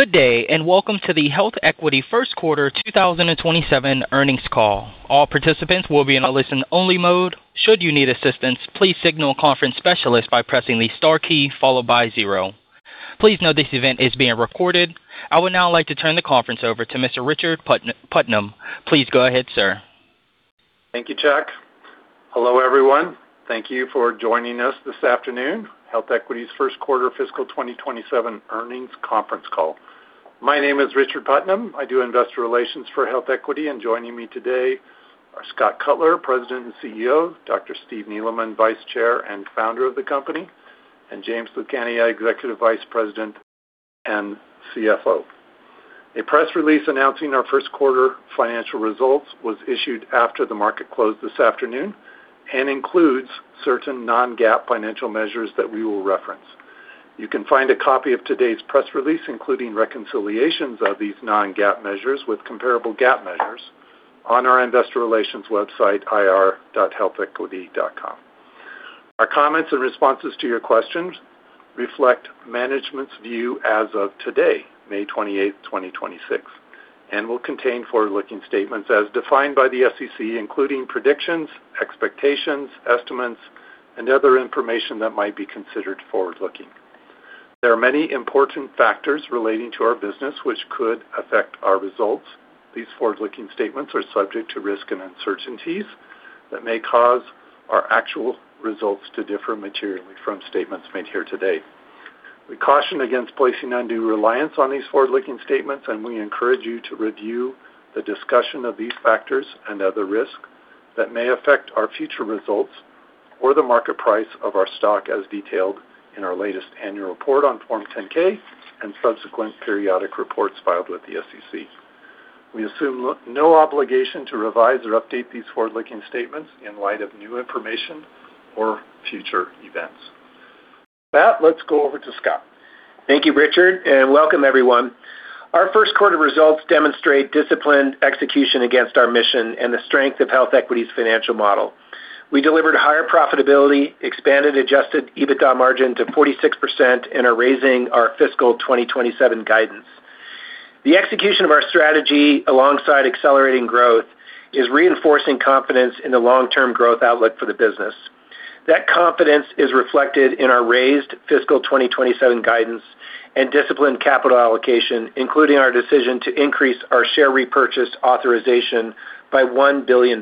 Good day, Welcome to the HealthEquity first quarter 2027 earnings call. I would now like to turn the conference over to Mr. Richard Putnam. Please go ahead, sir. Thank you, Chuck. Hello, everyone. Thank you for joining us this afternoon, HealthEquity's first quarter fiscal 2027 earnings conference call. My name is Richard Putnam. I do investor relations for HealthEquity, and joining me today are Scott Cutler, President and CEO, Dr. Steve Neeleman, Vice Chair and founder of the company, and James Lucania, Executive Vice President and CFO. A press release announcing our first quarter financial results was issued after the market closed this afternoon and includes certain non-GAAP financial measures that we will reference. You can find a copy of today's press release, including reconciliations of these non-GAAP measures with comparable GAAP measures, on our investor relations website, ir.healthequity.com. Our comments and responses to your questions reflect management's view as of today, May 28th, 2026, and will contain forward-looking statements as defined by the SEC, including predictions, expectations, estimates, and other information that might be considered forward-looking. There are many important factors relating to our business which could affect our results. These forward-looking statements are subject to risks and uncertainties that may cause our actual results to differ materially from statements made here today. We caution against placing undue reliance on these forward-looking statements. We encourage you to review the discussion of these factors and other risks that may affect our future results or the market price of our stock, as detailed in our latest annual report on Form 10-K and subsequent periodic reports filed with the SEC. We assume no obligation to revise or update these forward-looking statements in light of new information or future events. With that, let's go over to Scott. Thank you, Richard, and welcome everyone. Our first quarter results demonstrate disciplined execution against our mission and the strength of HealthEquity's financial model. We delivered higher profitability, expanded Adjusted EBITDA margin to 46%, and are raising our fiscal 2027 guidance. The execution of our strategy alongside accelerating growth is reinforcing confidence in the long-term growth outlook for the business. That confidence is reflected in our raised fiscal 2027 guidance and disciplined capital allocation, including our decision to increase our share repurchase authorization by $1 billion.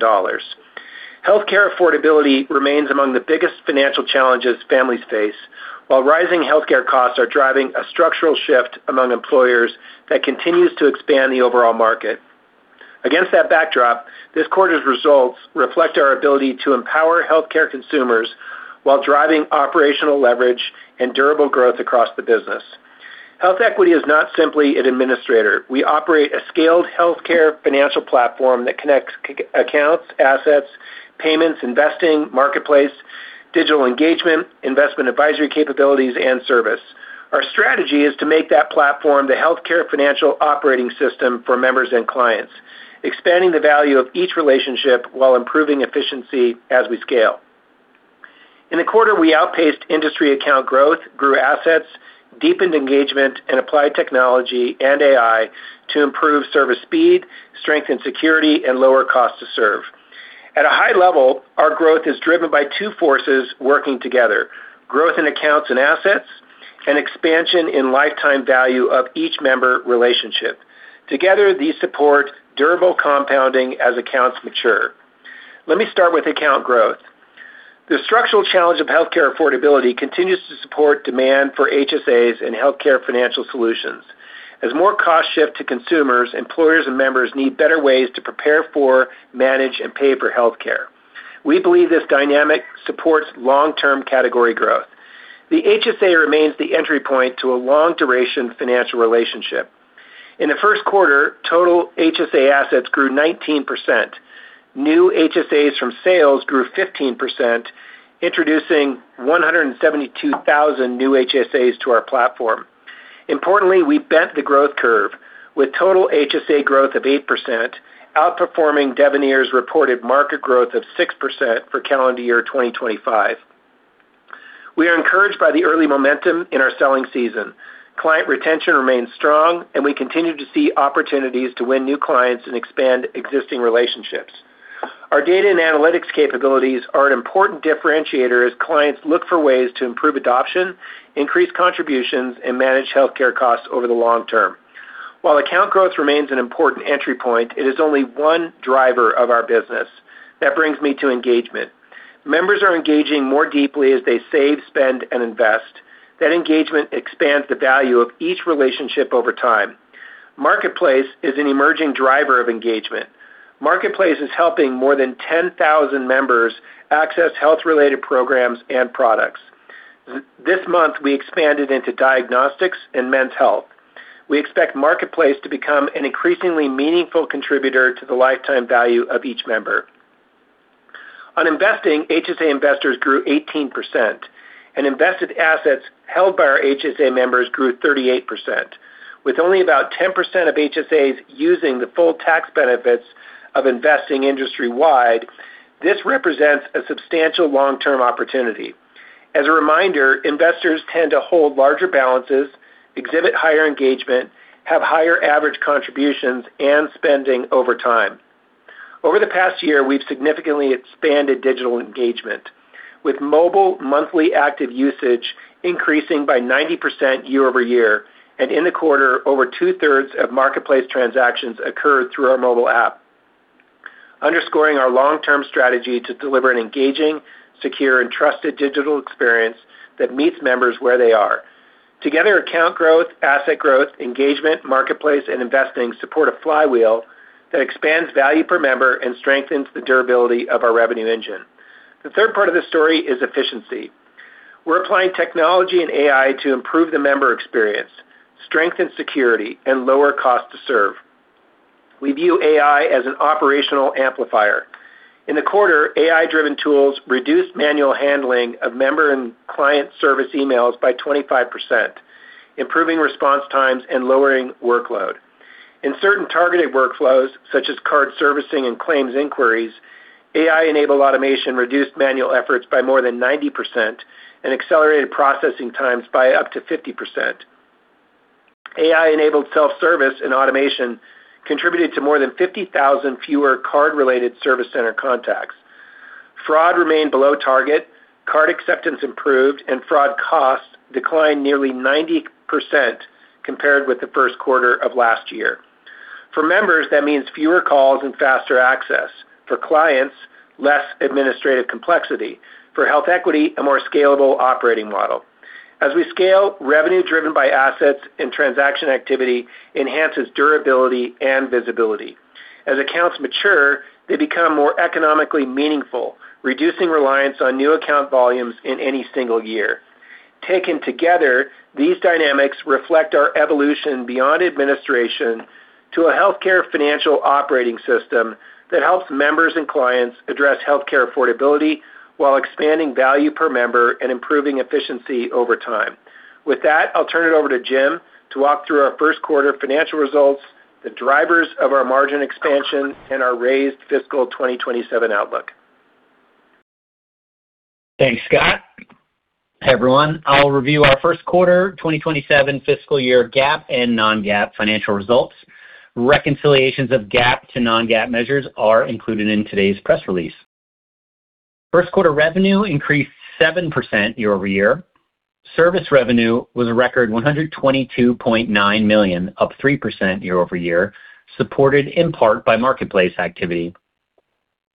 Healthcare affordability remains among the biggest financial challenges families face, while rising healthcare costs are driving a structural shift among employers that continues to expand the overall market. Against that backdrop, this quarter's results reflect our ability to empower healthcare consumers while driving operational leverage and durable growth across the business. HealthEquity is not simply an administrator. We operate a scaled healthcare financial platform that connects accounts, assets, payments, investing, Marketplace, digital engagement, investment advisory capabilities, and service. Our strategy is to make that platform the healthcare financial operating system for members and clients, expanding the value of each relationship while improving efficiency as we scale. In the quarter, we outpaced industry account growth, grew assets, deepened engagement, and applied technology and AI to improve service speed, strength, and security, and lower cost to serve. At a high level, our growth is driven by two forces working together, growth in accounts and assets, and expansion in lifetime value of each member relationship. Together, these support durable compounding as accounts mature. Let me start with account growth. The structural challenge of healthcare affordability continues to support demand for HSAs and healthcare financial solutions. As more costs shift to consumers, employers and members need better ways to prepare for, manage, and pay for healthcare. We believe this dynamic supports long-term category growth. The HSA remains the entry point to a long-duration financial relationship. In the first quarter, total HSA assets grew 19%. New HSAs from sales grew 15%, introducing 172,000 new HSAs to our platform. Importantly, we bent the growth curve with total HSA growth of 8%, outperforming Devenir's reported market growth of 6% for calendar year 2025. We are encouraged by the early momentum in our selling season. Client retention remains strong, and we continue to see opportunities to win new clients and expand existing relationships. Our data and analytics capabilities are an important differentiator as clients look for ways to improve adoption, increase contributions, and manage healthcare costs over the long term. While account growth remains an important entry point, it is only one driver of our business. That brings me to engagement. Members are engaging more deeply as they save, spend, and invest. That engagement expands the value of each relationship over time. Marketplace is an emerging driver of engagement. Marketplace is helping more than 10,000 members access health-related programs and products. This month, we expanded into diagnostics and men's health. We expect Marketplace to become an increasingly meaningful contributor to the lifetime value of each member. On investing, HSA investors grew 18%, and invested assets held by our HSA members grew 38%, with only about 10% of HSAs using the full tax benefits of investing industry-wide. This represents a substantial long-term opportunity. As a reminder, investors tend to hold larger balances, exhibit higher engagement, have higher average contributions and spending over time. Over the past year, we've significantly expanded digital engagement with mobile monthly active usage increasing by 90% year-over-year, and in the quarter, over two-thirds of Marketplace transactions occurred through our mobile app, underscoring our long-term strategy to deliver an engaging, secure, and trusted digital experience that meets members where they are. Together, account growth, asset growth, engagement, Marketplace, and investing support a flywheel that expands value per member and strengthens the durability of our revenue engine. The third part of this story is efficiency. We're applying technology and AI to improve the member experience, strengthen security, and lower cost to serve. We view AI as an operational amplifier. In the quarter, AI-driven tools reduced manual handling of member and client service emails by 25%, improving response times and lowering workload. In certain targeted workflows, such as card servicing and claims inquiries, AI-enabled automation reduced manual efforts by more than 90% and accelerated processing times by up to 50%. AI-enabled self-service and automation contributed to more than 50,000 fewer card-related service center contacts. Fraud remained below target, card acceptance improved, and fraud costs declined nearly 90% compared with the first quarter of last year. For members, that means fewer calls and faster access. For clients, less administrative complexity. For HealthEquity, a more scalable operating model. As we scale, revenue driven by assets and transaction activity enhances durability and visibility. As accounts mature, they become more economically meaningful, reducing reliance on new account volumes in any single year. Taken together, these dynamics reflect our evolution beyond administration to a healthcare financial operating system that helps members and clients address healthcare affordability while expanding value per member and improving efficiency over time. With that, I'll turn it over to Jim to walk through our first quarter financial results, the drivers of our margin expansion, and our raised fiscal 2027 outlook. Thanks, Scott. Hey, everyone. I'll review our first quarter FY 2027 GAAP and non-GAAP financial results. Reconciliations of GAAP to non-GAAP measures are included in today's press release. First quarter revenue increased 7% year-over-year. Service revenue was a record $122.9 million, up 3% year-over-year, supported in part by Marketplace activity.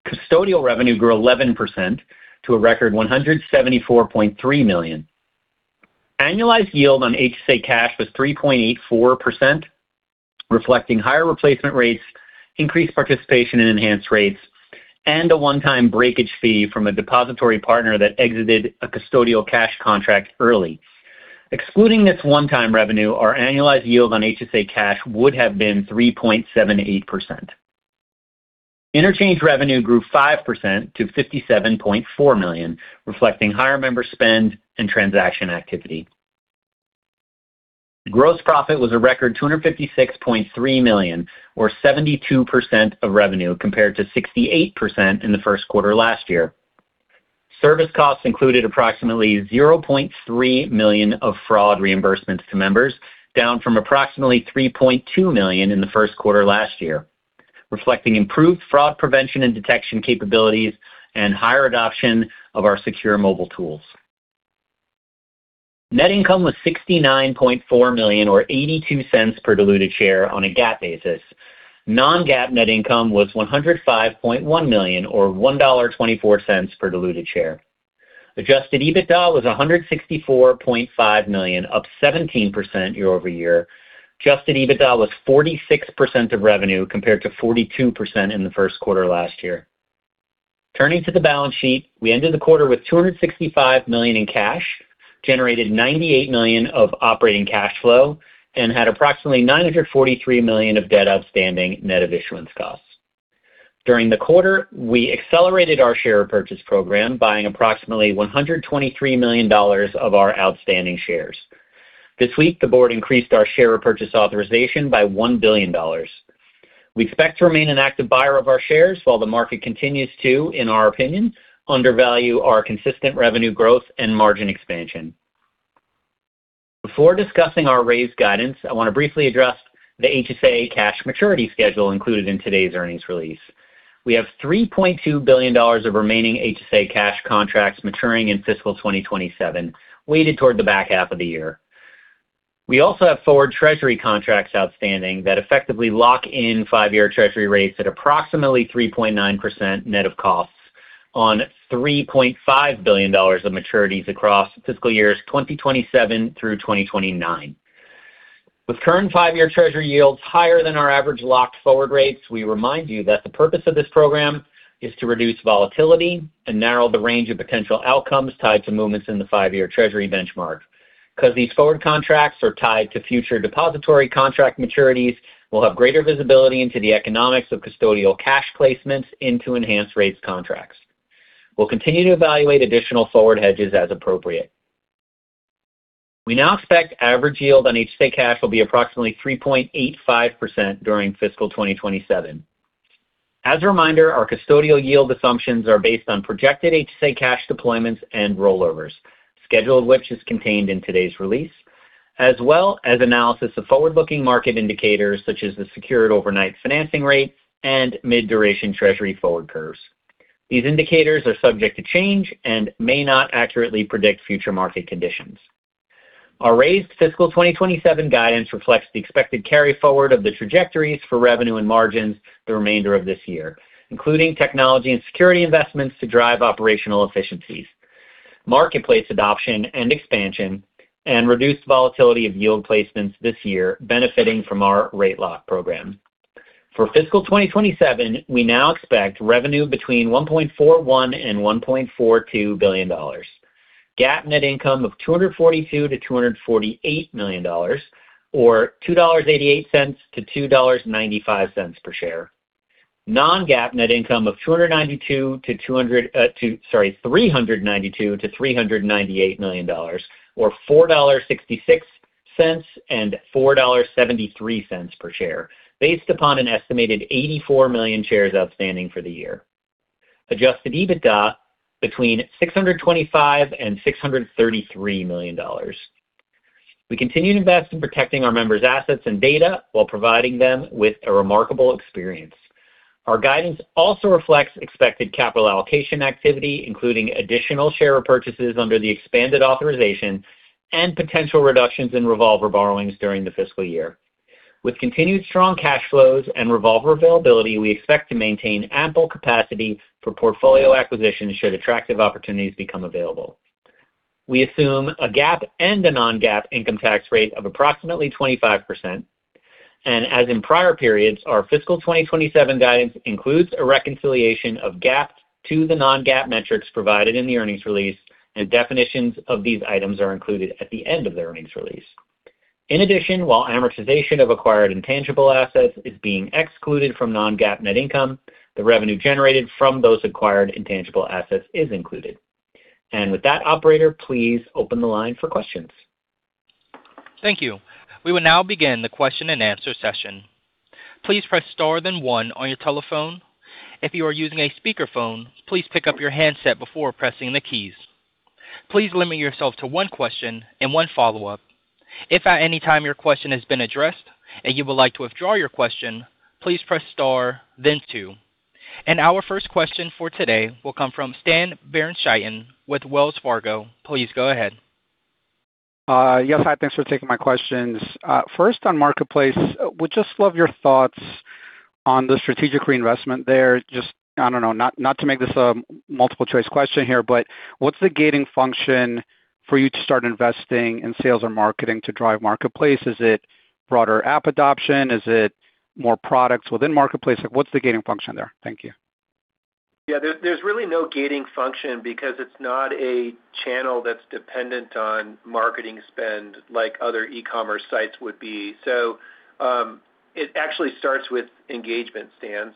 Custodial revenue grew 11% to a record $174.3 million. Annualized yield on HSA cash was 3.84%, reflecting higher replacement rates, increased participation in enhanced rates, and a one-time breakage fee from a depository partner that exited a custodial cash contract early. Excluding this one-time revenue, our annualized yield on HSA cash would have been 3.78%. Interchange revenue grew 5% to $57.4 million, reflecting higher member spend and transaction activity. Gross profit was a record $256.3 million, or 72% of revenue, compared to 68% in the first quarter last year. Service costs included approximately $0.3 million of fraud reimbursements to members, down from approximately $3.2 million in the first quarter last year, reflecting improved fraud prevention and detection capabilities and higher adoption of our secure mobile tools. Net income was $69.4 million, or $0.82 per diluted share on a GAAP basis. non-GAAP net income was $105.1 million, or $1.24 per diluted share. Adjusted EBITDA was $164.5 million, up 17% year-over-year. Adjusted EBITDA was 46% of revenue, compared to 42% in the first quarter last year. Turning to the balance sheet, we ended the quarter with $265 million in cash, generated $98 million of operating cash flow, and had approximately $943 million of debt outstanding net of issuance costs. During the quarter, we accelerated our share purchase program, buying approximately $123 million of our outstanding shares. This week, the board increased our share purchase authorization by $1 billion. We expect to remain an active buyer of our shares while the market continues to, in our opinion, undervalue our consistent revenue growth and margin expansion. Before discussing our raised guidance, I want to briefly address the HSA cash maturity schedule included in today's earnings release. We have $3.2 billion of remaining HSA cash contracts maturing in fiscal 2027, weighted toward the back half of the year. We also have forward treasury contracts outstanding that effectively lock in five-year treasury rates at approximately 3.9% net of costs on $3.5 billion of maturities across fiscal years 2027 through 2029. With current five-year treasury yields higher than our average locked forward rates, we remind you that the purpose of this program is to reduce volatility and narrow the range of potential outcomes tied to movements in the five-year treasury benchmark. Because these forward contracts are tied to future depository contract maturities, we'll have greater visibility into the economics of custodial cash placements into enhanced rates contracts. We'll continue to evaluate additional forward hedges as appropriate. We now expect average yield on HSA cash will be approximately 3.85% during fiscal 2027. As a reminder, our custodial yield assumptions are based on projected HSA cash deployments and rollovers, schedule of which is contained in today's release, as well as analysis of forward-looking market indicators such as the secured overnight financing rate and mid-duration Treasury forward curves. These indicators are subject to change and may not accurately predict future market conditions. Our raised fiscal 2027 guidance reflects the expected carryforward of the trajectories for revenue and margins the remainder of this year, including technology and security investments to drive operational efficiencies, Marketplace adoption and expansion, and reduced volatility of yield placements this year benefiting from our rate lock program. For fiscal 2027, we now expect revenue between $1.41 and $1.42 billion. GAAP net income of $242 million-$248 million, or $2.88-$2.95 per share. Non-GAAP net income of $392 million-$398 million, or $4.66 and $4.73 per share, based upon an estimated 84 million shares outstanding for the year. Adjusted EBITDA between $625 and $633 million. We continue to invest in protecting our members' assets and data while providing them with a remarkable experience. Our guidance also reflects expected capital allocation activity, including additional share repurchases under the expanded authorization and potential reductions in revolver borrowings during the fiscal year. With continued strong cash flows and revolver availability, we expect to maintain ample capacity for portfolio acquisitions should attractive opportunities become available. We assume a GAAP and a non-GAAP income tax rate of approximately 25%. As in prior periods, our fiscal 2027 guidance includes a reconciliation of GAAP to the non-GAAP metrics provided in the earnings release. Definitions of these items are included at the end of the earnings release. In addition, while amortization of acquired intangible assets is being excluded from non-GAAP net income, the revenue generated from those acquired intangible assets is included. With that, operator, please open the line for questions. Thank you. We will now begin the question and answer session. Our first question for today will come from Stan Berenstain with Wells Fargo. Please go ahead. Yes. Hi. Thanks for taking my questions. 1st, on Marketplace, would just love your thoughts on the strategic reinvestment there. Just, I don't know, not to make this a multiple choice question here, but what's the gating function for you to start investing in sales or marketing to drive Marketplace? Is it broader app adoption? Is it more products within Marketplace? What's the gating function there? Thank you. Yeah. There's really no gating function because it's not a channel that's dependent on marketing spend like other e-commerce sites would be. It actually starts with engagement, Stan.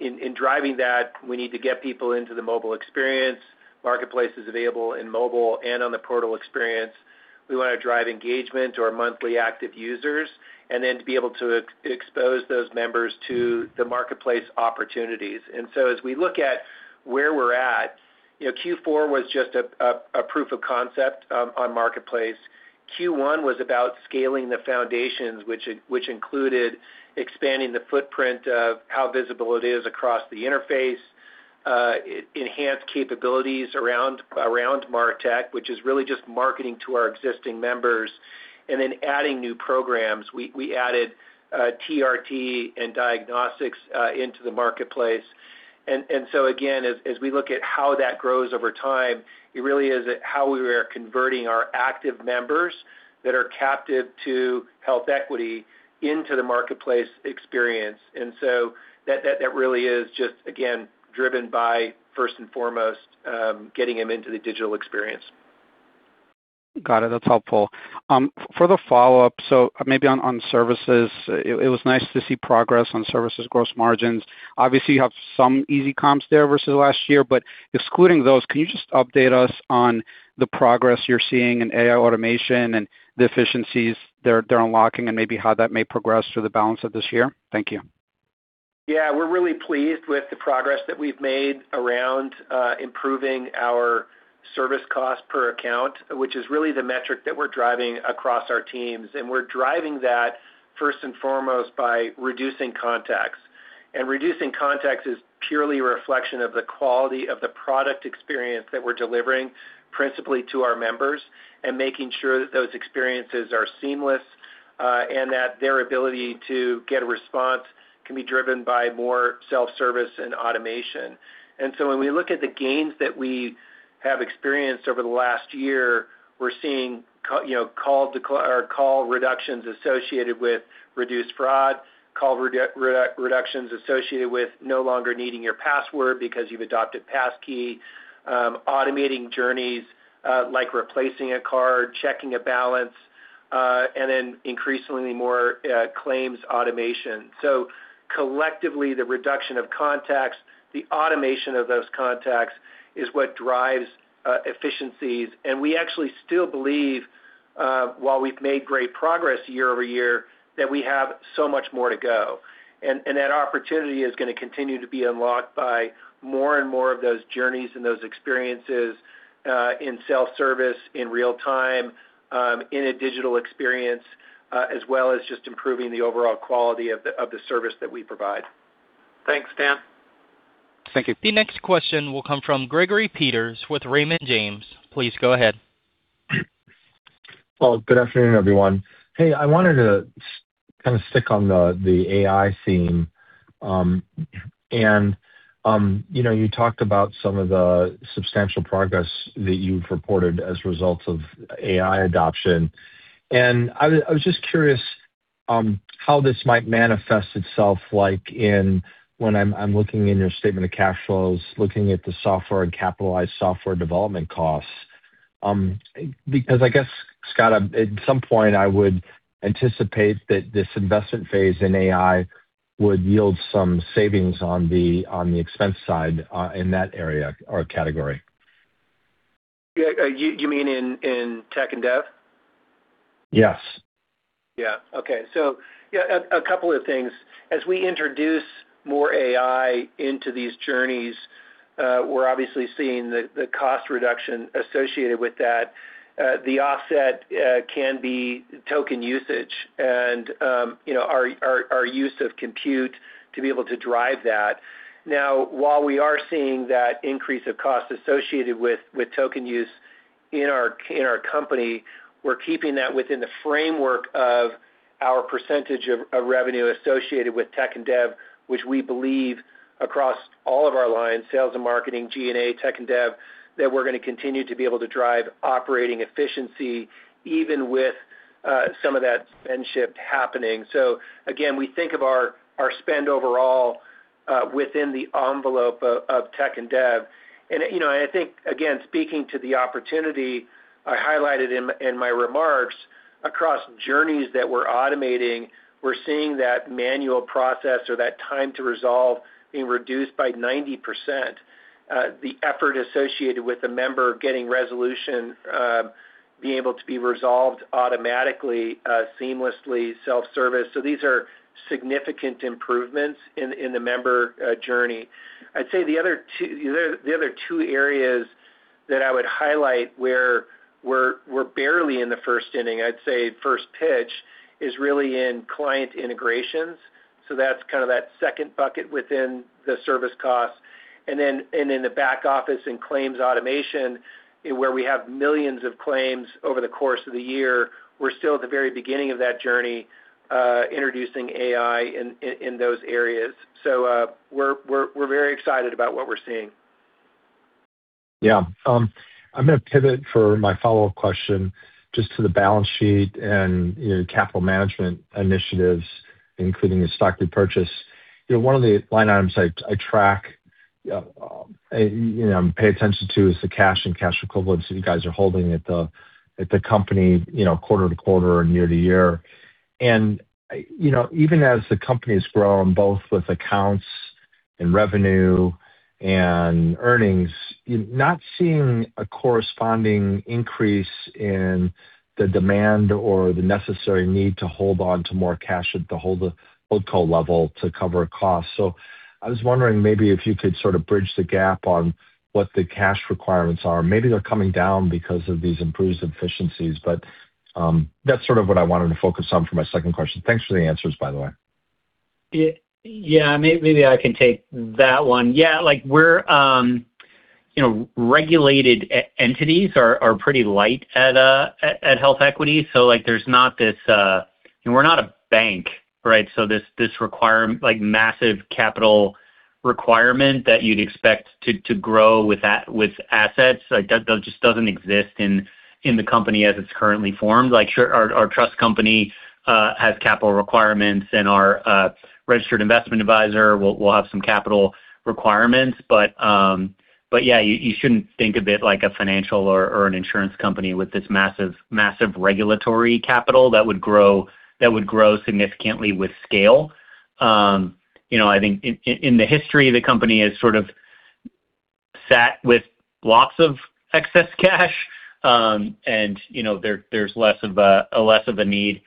In driving that, we need to get people into the mobile experience. Marketplace is available in mobile and on the portal experience. We want to drive engagement to our monthly active users, and then to be able to expose those members to the Marketplace opportunities. As we look at where we're at, Q4 was just a proof of concept on Marketplace. Q1 was about scaling the foundations, which included expanding the footprint of how visible it is across the interface, enhanced capabilities around MarTech, which is really just marketing to our existing members, and then adding new programs. We added TRT and diagnostics into the Marketplace. Again, as we look at how that grows over time, it really is how we are converting our active members that are captive to HealthEquity into the Marketplace experience. That really is just, again, driven by, first and foremost, getting them into the digital experience. Got it. That's helpful. For the follow-up, maybe on services, it was nice to see progress on services gross margins. Obviously, you have some easy comps there versus last year, excluding those, can you just update us on the progress you're seeing in AI automation and the efficiencies they're unlocking and maybe how that may progress through the balance of this year? Thank you. We're really pleased with the progress that we've made around improving our service cost per account, which is really the metric that we're driving across our teams. We're driving that first and foremost by reducing contacts. Reducing contacts is purely a reflection of the quality of the product experience that we're delivering principally to our members and making sure that those experiences are seamless, and that their ability to get a response can be driven by more self-service and automation. When we look at the gains that we have experienced over the last year, we're seeing call reductions associated with reduced fraud, call reductions associated with no longer needing your password because you've adopted passkey, automating journeys, like replacing a card, checking a balance. Increasingly more claims automation. Collectively, the reduction of contacts, the automation of those contacts is what drives efficiencies. We actually still believe, while we've made great progress year-over-year, that we have so much more to go. That opportunity is going to continue to be unlocked by more and more of those journeys and those experiences, in self-service, in real time, in a digital experience, as well as just improving the overall quality of the service that we provide. Thanks, Stan. Thank you. The next question will come from Gregory Peters with Raymond James. Please go ahead. Well, good afternoon, everyone. Hey, I wanted to kind of stick on the AI theme. You talked about some of the substantial progress that you've reported as a result of AI adoption. I was just curious how this might manifest itself, like, in when I'm looking in your statement of cash flows, looking at the software and capitalized software development costs. Because I guess, Scott, at some point, I would anticipate that this investment phase in AI would yield some savings on the expense side in that area or category. You mean in tech and dev? Yes. Yeah. Okay. A couple of things. As we introduce more AI into these journeys, we're obviously seeing the cost reduction associated with that. The offset can be token usage and our use of compute to be able to drive that. Now, while we are seeing that increase of cost associated with token use in our company, we're keeping that within the framework of our percentage of revenue associated with tech and dev, which we believe across all of our lines, sales and marketing, G&A, tech and dev, that we're going to continue to be able to drive operating efficiency even with some of that spend shift happening. Again, we think of our spend overall within the envelope of tech and dev. I think, again, speaking to the opportunity I highlighted in my remarks, across journeys that we're automating, we're seeing that manual process or that time to resolve being reduced by 90%. The effort associated with a member getting resolution, being able to be resolved automatically, seamlessly, self-service. These are significant improvements in the member journey. I'd say the other two areas that I would highlight where we're barely in the first inning, I'd say first pitch, is really in client integrations. That's kind of that second bucket within the service cost. In the back office in claims automation, where we have millions of claims over the course of the year, we're still at the very beginning of that journey, introducing AI in those areas. We're very excited about what we're seeing. Yeah. I'm going to pivot for my follow-up question just to the balance sheet and capital management initiatives, including the stock repurchase. One of the line items I track and pay attention to is the cash and cash equivalents that you guys are holding at the company quarter to quarter and year-to-year. Even as the company has grown, both with accounts in revenue and earnings, not seeing a corresponding increase in the demand or the necessary need to hold on to more cash at the holdco level to cover costs. I was wondering maybe if you could sort of bridge the gap on what the cash requirements are. Maybe they're coming down because of these improved efficiencies, but that's sort of what I wanted to focus on for my second question. Thanks for the answers, by the way. Yeah, maybe I can take that one. Yeah, regulated entities are pretty light at HealthEquity. We're not a bank, right? This massive capital requirement that you'd expect to grow with assets just doesn't exist in the company as it's currently formed. Sure, our trust company has capital requirements, and our registered investment advisor will have some capital requirements. Yeah, you shouldn't think of it like a financial or an insurance company with this massive regulatory capital that would grow significantly with scale. I think in the history of the company has sort of sat with lots of excess cash and there's less of a need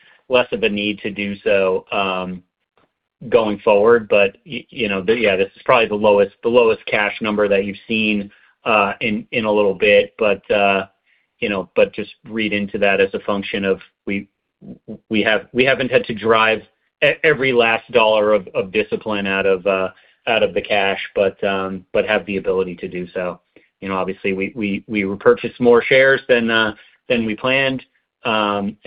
to do so going forward. Yeah, this is probably the lowest cash number that you've seen in a little bit. Just read into that as a function of we haven't had to drive every last $ of discipline out of the cash, but have the ability to do so. Obviously, we repurchased more shares than we planned, and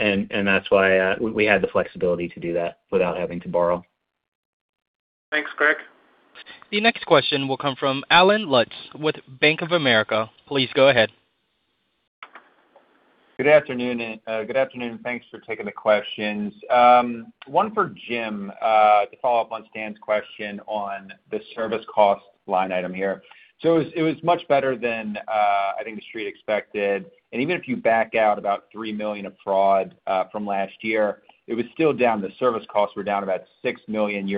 that's why we had the flexibility to do that without having to borrow. Thanks, Greg. The next question will come from Allen Lutz with Bank of America. Please go ahead. Good afternoon. Thanks for taking the questions. One for Jim, to follow up on Stan's question on the service cost line item here. It was much better than I think the Street expected. Even if you back out about $3 million of fraud from last year, it was still down. The service costs were down about $6 million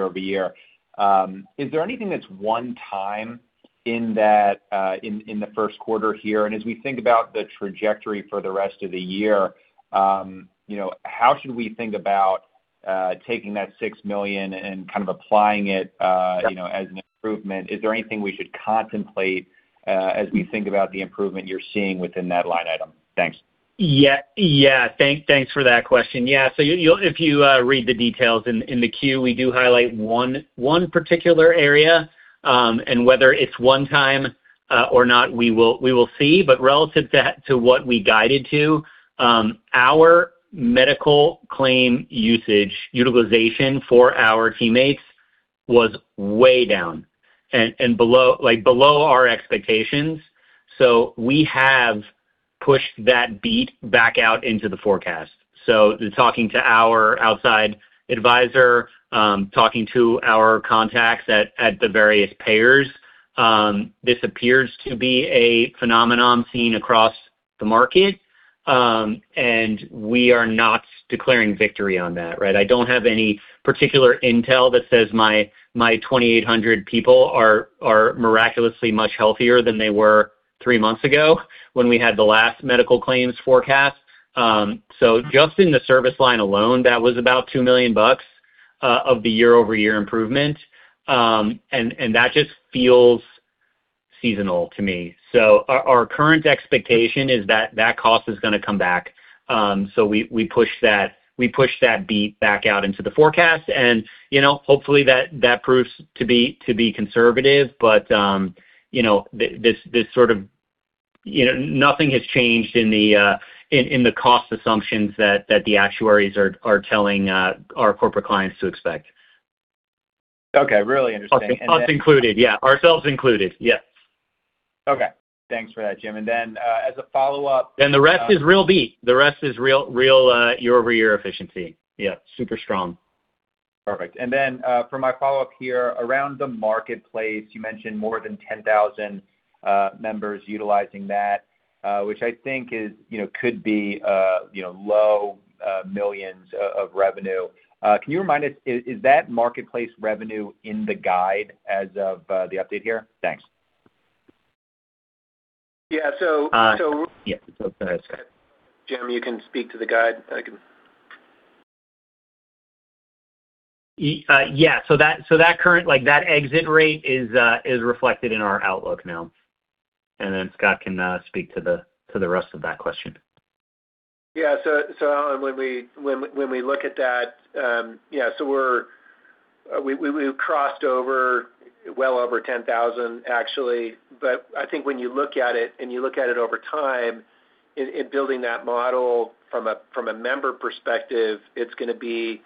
year-over-year. Is there anything that's one-time in the first quarter here? As we think about the trajectory for the rest of the year, how should we think about taking that $6 million and applying it as an improvement? Is there anything we should contemplate as we think about the improvement you're seeing within that line item? Thanks. Thanks for that question. If you read the details in the Q, we do highlight one particular area, and whether it's one time or not, we will see. Relative to what we guided to, our medical claim usage utilization for our teammates was way down and below our expectations. We have pushed that beat back out into the forecast. In talking to our outside advisor, talking to our contacts at the various payers, this appears to be a phenomenon seen across the market, and we are not declaring victory on that. Right? I don't have any particular intel that says my 2,800 people are miraculously much healthier than they were three months ago when we had the last medical claims forecast. Just in the service line alone, that was about $2 million of the year-over-year improvement. That just feels seasonal to me. Our current expectation is that cost is going to come back. We pushed that beat back out into the forecast, and hopefully that proves to be conservative. Nothing has changed in the cost assumptions that the actuaries are telling our corporate clients to expect. Okay. Really interesting. Us included. Yeah. Ourselves included. Yes. Okay. Thanks for that, Jim. As a follow-up. The rest is real beat. The rest is real year-over-year efficiency. Yeah. Super strong. Perfect. Then, for my follow-up here, around the Marketplace, you mentioned more than 10,000 members utilizing that, which I think could be low millions of revenue. Can you remind us, is that Marketplace revenue in the guide as of the update here? Thanks. Yeah. Yeah. Go ahead, Scott Jim, you can speak to the guide. I can Yeah. That exit rate is reflected in our outlook now. Scott can speak to the rest of that question. Yeah. Allen, when we look at that, we crossed over well over 10,000, actually. I think when you look at it, and you look at it over time in building that model from a member perspective, it's going to be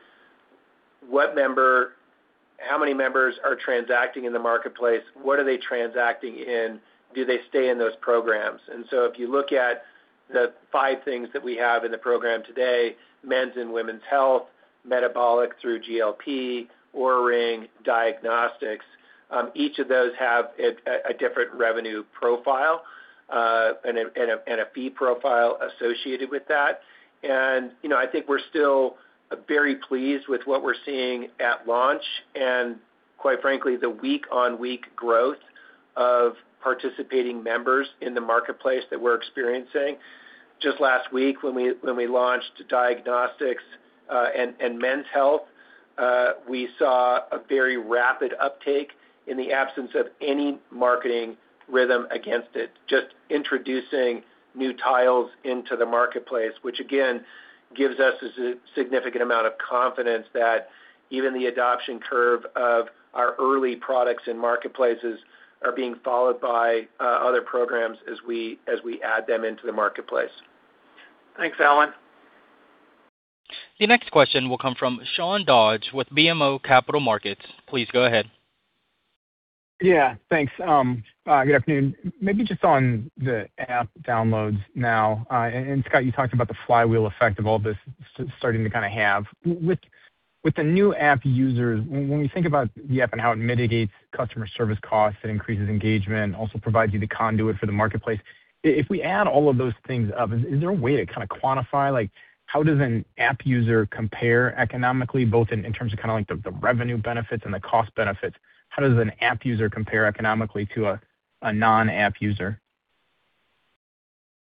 how many members are transacting in the Marketplace, what are they transacting in? Do they stay in those programs? If you look at the five things that we have in the program today, men's and women's health, metabolic through GLP, Oura Ring, diagnostics, each of those have a different revenue profile, and a fee profile associated with that. I think we're still very pleased with what we're seeing at launch, and quite frankly, the week-on-week growth of participating members in the Marketplace that we're experiencing. Just last week, when we launched diagnostics and men's health, we saw a very rapid uptake in the absence of any marketing rhythm against it, just introducing new tiles into the Marketplace, which again, gives us a significant amount of confidence that even the adoption curve of our early products in Marketplaces are being followed by other programs as we add them into the Marketplace. Thanks, Allen. Your next question will come from Sean Dodge with BMO Capital Markets. Please go ahead. Yeah. Thanks. Good afternoon. Maybe just on the app downloads now, and Scott, you talked about the flywheel effect of all this starting to kind of have. With the new app users, when we think about the app and how it mitigates customer service costs, it increases engagement, also provides you the conduit for the Marketplace. If we add all of those things up, is there a way to kind of quantify, how does an app user compare economically, both in terms of the revenue benefits and the cost benefits? How does an app user compare economically to a non-app user?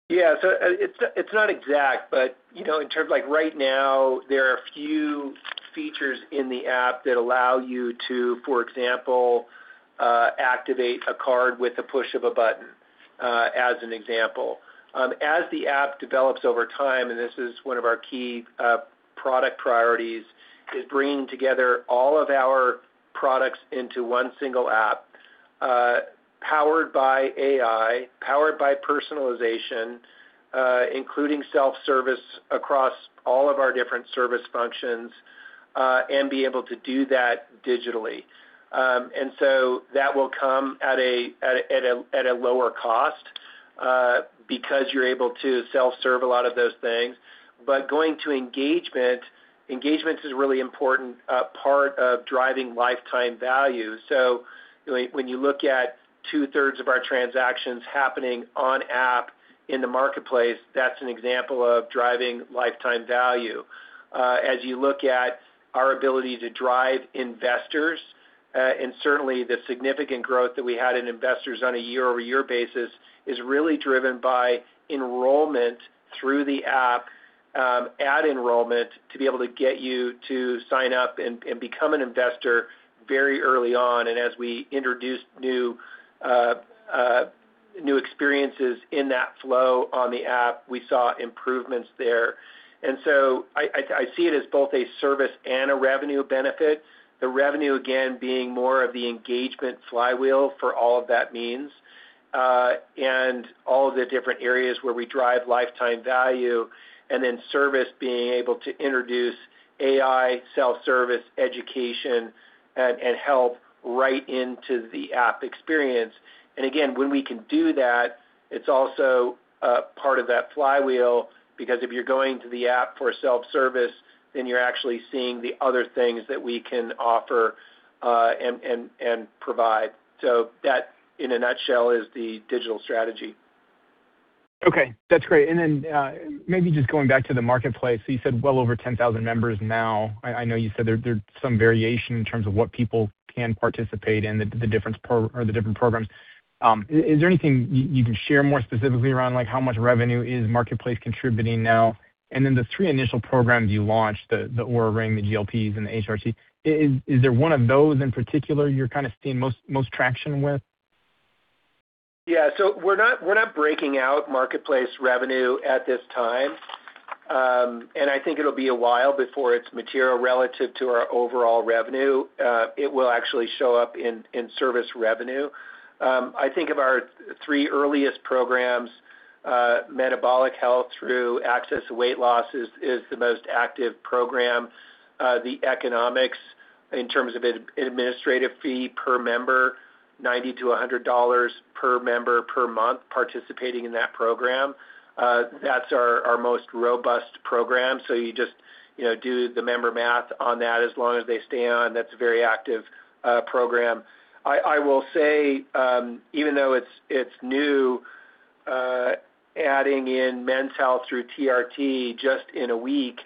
It's not exact, but in terms like right now, there are a few features in the app that allow you to, for example, activate a card with the push of a button, as an example. As the app develops over time, and this is one of our key product priorities, is bringing together all of our products into one single app, powered by AI, powered by personalization, including self-service across all of our different service functions. Be able to do that digitally. That will come at a lower cost because you're able to self-serve a lot of those things. Going to engagement is a really important part of driving lifetime value. When you look at two-thirds of our transactions happening on app in the Marketplace, that's an example of driving lifetime value. As you look at our ability to drive investors, certainly the significant growth that we had in investors on a year-over-year basis, is really driven by enrollment through the app, ad enrollment, to be able to get you to sign up and become an investor very early on. As we introduced new experiences in that flow on the app, we saw improvements there. I see it as both a service and a revenue benefit. The revenue, again, being more of the engagement flywheel for all of that means, and all of the different areas where we drive lifetime value. Service being able to introduce AI, self-service, education, and help right into the app experience. Again, when we can do that, it's also part of that flywheel, because if you're going to the app for self-service, then you're actually seeing the other things that we can offer and provide. That, in a nutshell, is the digital strategy. Okay. That's great. Maybe just going back to the Marketplace, you said well over 10,000 members now. I know you said there's some variation in terms of what people can participate in, or the different programs. Is there anything you can share more specifically around how much revenue is Marketplace contributing now? The three initial programs you launched, the Oura Ring, the GLPs, and the HRC, is there one of those in particular you're kind of seeing most traction with? We're not breaking out Marketplace revenue at this time. I think it'll be a while before it's material relative to our overall revenue. It will actually show up in service revenue. I think of our three earliest programs, metabolic health through access to weight loss is the most active program. The economics, in terms of administrative fee per member, $90- $100 per member, per month participating in that program. That's our most robust program. You just do the member math on that. As long as they stay on, that's a very active program. I will say, even though it's new, adding in men's health through TRT just in a week,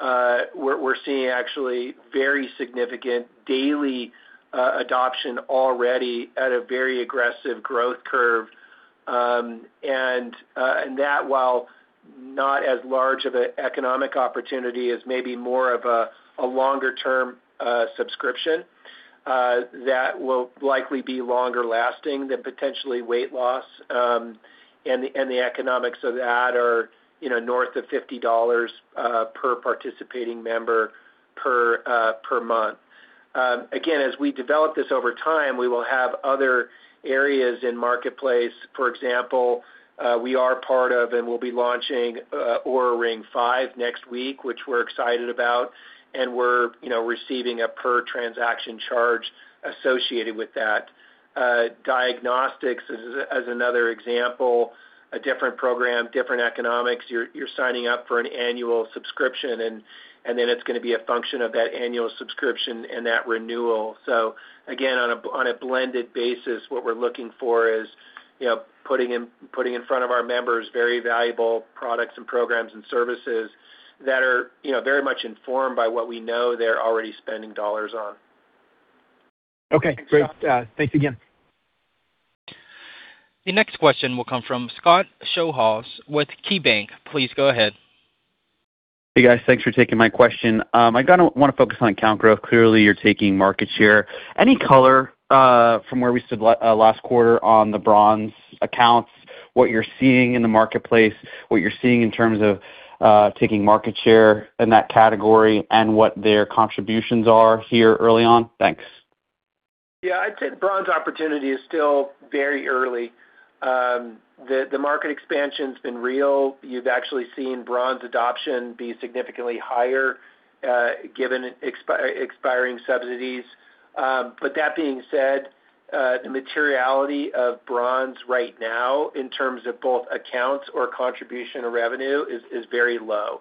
we're seeing actually very significant daily adoption already at a very aggressive growth curve. That, while not as large of an economic opportunity as maybe more of a longer-term subscription, that will likely be longer lasting than potentially weight loss. The economics of that are north of $50 per participating member per month. Again, as we develop this over time, we will have other areas in Marketplace. For example, we are part of and will be launching Oura Ring 5 next week, which we're excited about, and we're receiving a per transaction charge associated with that. Diagnostics, as another example, a different program, different economics. You're signing up for an annual subscription, and then it's going to be a function of that annual subscription and that renewal. Again, on a blended basis, what we're looking for is putting in front of our members very valuable products and programs and services that are very much informed by what we know they're already spending dollars on. Okay, great. Thanks again. The next question will come from Scott Schoenhaus with KeyBanc. Please go ahead. Hey, guys. Thanks for taking my question. I want to focus on account growth. Clearly, you're taking market share. Any color from where we stood last quarter on the Bronze accounts, what you're seeing in the Marketplace, what you're seeing in terms of taking market share in that category, and what their contributions are here early on? Thanks. I'd say Bronze opportunity is still very early. The market expansion's been real. You've actually seen Bronze adoption be significantly higher given expiring subsidies. That being said, the materiality of Bronze right now, in terms of both accounts or contribution or revenue, is very low.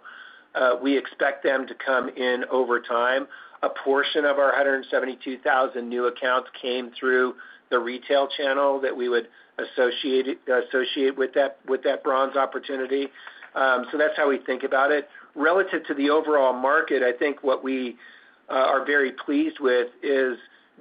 We expect them to come in over time. A portion of our 172,000 new accounts came through the retail channel that we would associate with that Bronze opportunity. That's how we think about it. Relative to the overall market, I think what we are very pleased with is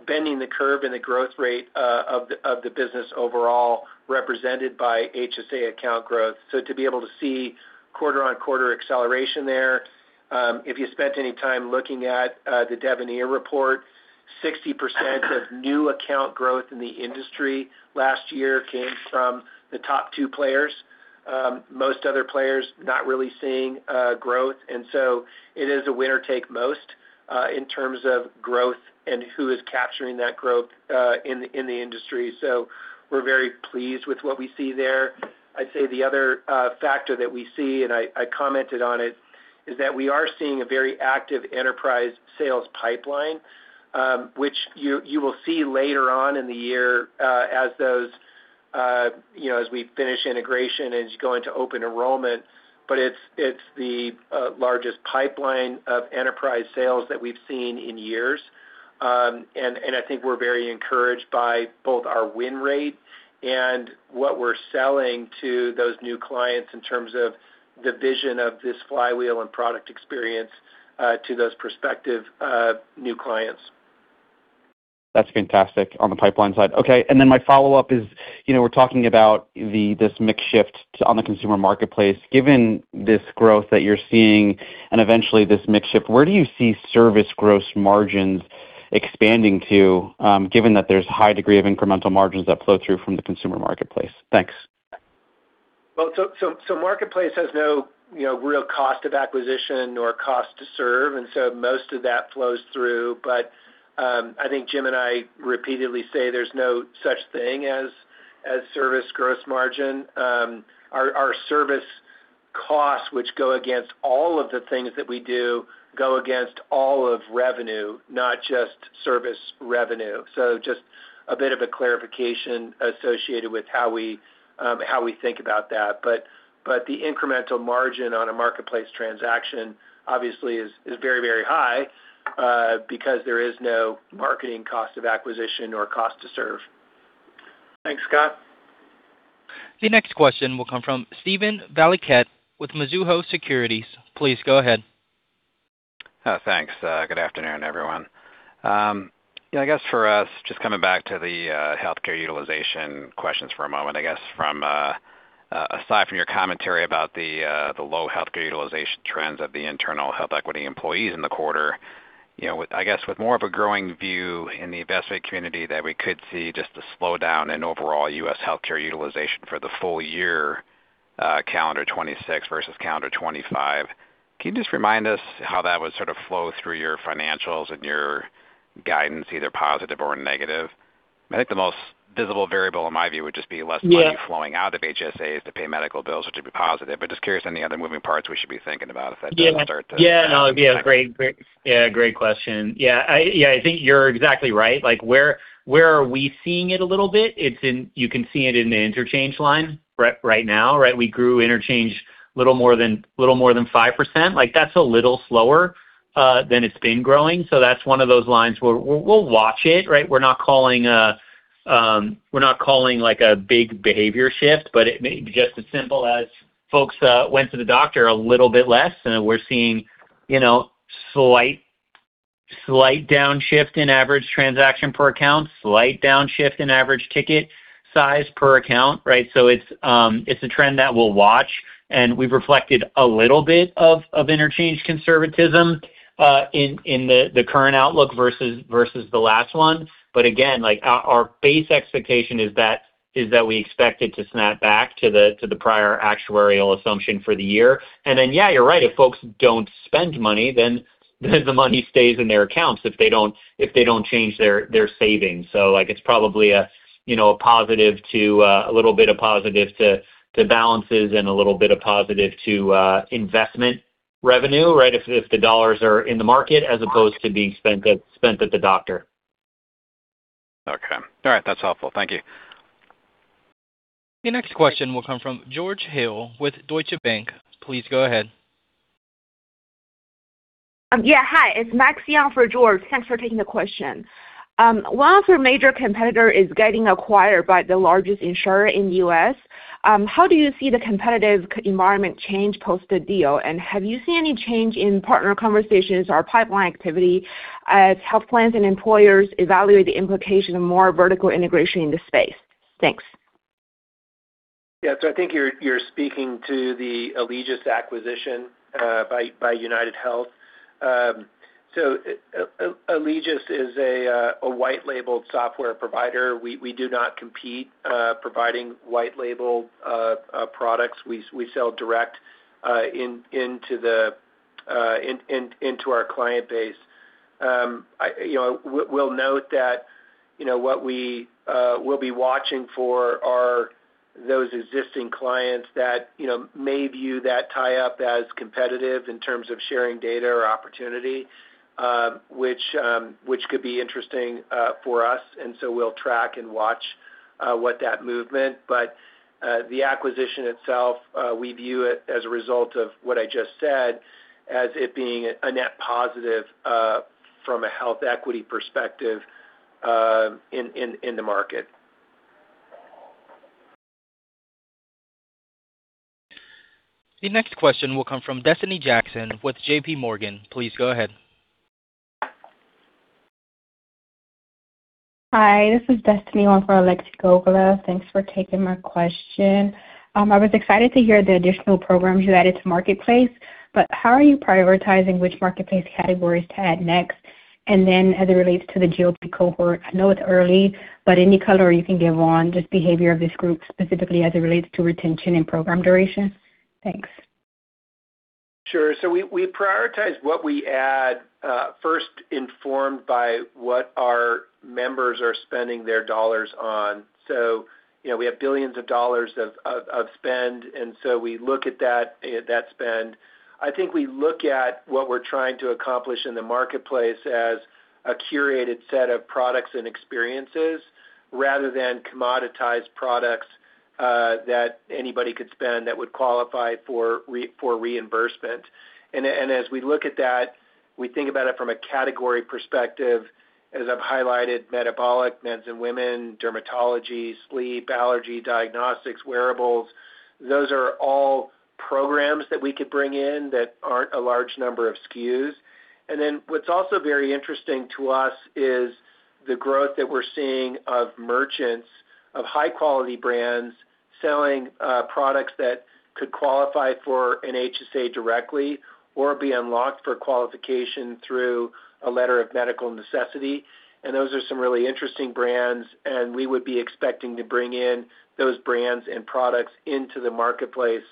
bending the curve in the growth rate of the business overall represented by HSA account growth. To be able to see quarter-on-quarter acceleration there. If you spent any time looking at the Devenir report, 60% of new account growth in the industry last year came from the top two players. Most other players not really seeing growth. It is a winner-take-most, in terms of growth and who is capturing that growth in the industry. We're very pleased with what we see there. I'd say the other factor that we see, and I commented on it Is that we are seeing a very active enterprise sales pipeline, which you will see later on in the year as we finish integration and as you go into open enrollment. It's the largest pipeline of enterprise sales that we've seen in years. I think we're very encouraged by both our win rate and what we're selling to those new clients in terms of the vision of this flywheel and product experience to those prospective new clients. That's fantastic on the pipeline side. My follow-up is, we're talking about this mix shift on the consumer marketplace. Given this growth that you're seeing and eventually this mix shift, where do you see service gross margins expanding to, given that there's high degree of incremental margins that flow through from the consumer marketplace? Thanks. Marketplace has no real cost of acquisition or cost to serve, and so most of that flows through. I think Jim and I repeatedly say there's no such thing as service gross margin. Our service costs, which go against all of the things that we do, go against all of revenue, not just service revenue. Just a bit of a clarification associated with how we think about that. The incremental margin on a Marketplace transaction obviously is very, very high, because there is no marketing cost of acquisition or cost to serve. Thanks, Scott. The next question will come from Steven Valiquette with Mizuho Securities. Please go ahead. Thanks. Good afternoon, everyone. For us, just coming back to the healthcare utilization questions for a moment. Aside from your commentary about the low healthcare utilization trends of the internal HealthEquity employees in the quarter, with more of a growing view in the investment community that we could see just a slowdown in overall U.S. healthcare utilization for the full year, calendar 2026 versus calendar 2025, can you just remind us how that would sort of flow through your financials and your guidance, either positive or negative? I think the most visible variable in my view would just be less- Yeah money flowing out of HSAs to pay medical bills, which would be positive. Just curious any other moving parts we should be thinking about if that does start? Yeah, no, great question. Yeah, I think you're exactly right. Where are we seeing it a little bit? You can see it in the interchange line right now, right? We grew interchange little more than 5%. That's a little slower than it's been growing. That's one of those lines where we'll watch it, right? We're not calling a big behavior shift, but it may be just as simple as folks went to the doctor a little bit less, and we're seeing slight downshift in average transaction per account, slight downshift in average ticket size per account, right? It's a trend that we'll watch, and we've reflected a little bit of interchange conservatism, in the current outlook versus the last one. Again, our base expectation is that we expect it to snap back to the prior actuarial assumption for the year. Yeah, you're right. If folks don't spend money, then the money stays in their accounts if they don't change their savings. It's probably a little bit of positive to balances and a little bit of positive to investment revenue, right? If the dollars are in the market as opposed to being spent at the doctor. Okay. All right. That's helpful. Thank you. Your next question will come from George Hill with Deutsche Bank. Please go ahead. Hi, it's Maxion for George. Thanks for taking the question. One of your major competitor is getting acquired by the largest insurer in the U.S. How do you see the competitive environment change post the deal, and have you seen any change in partner conversations or pipeline activity as health plans and employers evaluate the implication of more vertical integration in the space? Thanks. Yeah. I think you're speaking to the Alegeus acquisition, by UnitedHealth. Alegeus is a white labeled software provider. We do not compete providing white label products. We sell direct into our client base. We'll note that what we'll be watching for are those existing clients that may view that tie-up as competitive in terms of sharing data or opportunity, which could be interesting for us. We'll track and watch what that movement, but the acquisition itself, we view it as a result of what I just said as it being a net positive, from a HealthEquity perspective in the market. The next question will come from Destiny Jackson with JPMorgan. Please go ahead. Hi, this is Destiny, one for Alex Gogola. Thanks for taking my question. I was excited to hear the additional programs you added to Marketplace, how are you prioritizing which Marketplace categories to add next? As it relates to the GLP cohort, I know it's early, but any color you can give on just behavior of this group specifically as it relates to retention and program duration? Thanks. Sure. We prioritize what we add first informed by what our members are spending their dollars on. We have billions of dollars of spend. We look at that spend. I think we look at what we're trying to accomplish in the Marketplace as a curated set of products and experiences rather than commoditized products, that anybody could spend that would qualify for reimbursement. As we look at that, we think about it from a category perspective, as I've highlighted, metabolic, men and women, dermatology, sleep, allergy, diagnostics, wearables. Those are all programs that we could bring in that aren't a large number of SKUs. Then what's also very interesting to us is the growth that we're seeing of merchants, of high-quality brands selling products that could qualify for an HSA directly or be unlocked for qualification through a letter of medical necessity. Those are some really interesting brands, and we would be expecting to bring in those brands and products into the Marketplace,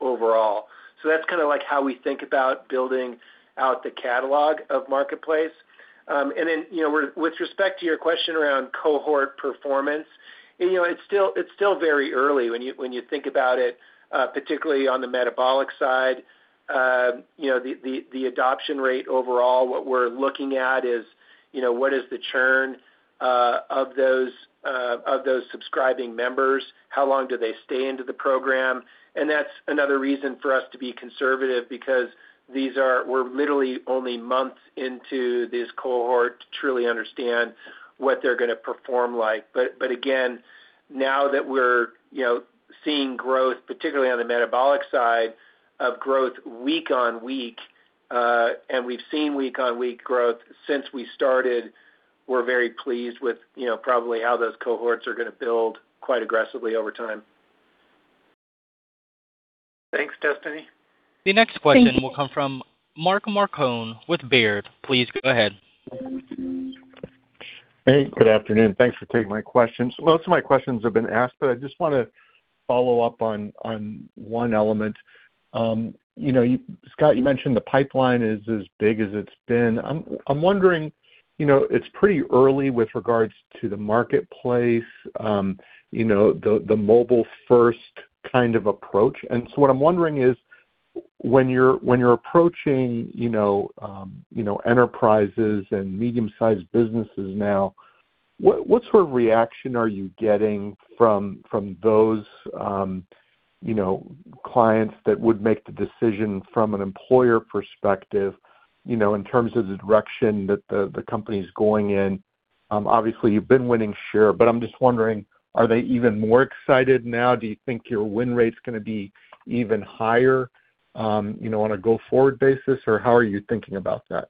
overall. That's kind of like how we think about building out the catalog of Marketplace. With respect to your question around cohort performance, it's still very early when you think about it, particularly on the metabolic side. The adoption rate overall, what we're looking at is, what is the churn of those subscribing members? How long do they stay into the program? That's another reason for us to be conservative, because we're literally only months into this cohort to truly understand what they're going to perform like. Again, now that we're seeing growth, particularly on the metabolic side of growth week on week, and we’ve seen week on week growth since we started, we’re very pleased with probably how those cohorts are going to build quite aggressively over time. Thanks, Destiny. The next question will come from Mark Marcon with Baird. Please go ahead. Hey, good afternoon. Thanks for taking my questions. Most of my questions have been asked, but I just want to follow up on one element. Scott, you mentioned the pipeline is as big as it's been. I'm wondering, it's pretty early with regards to the Marketplace, the mobile first kind of approach. What I'm wondering is, when you're approaching enterprises and medium-sized businesses now, what sort of reaction are you getting from those clients that would make the decision from an employer perspective in terms of the direction that the company's going in? Obviously, you've been winning share, but I'm just wondering, are they even more excited now? Do you think your win rate's going to be even higher, on a go-forward basis, or how are you thinking about that?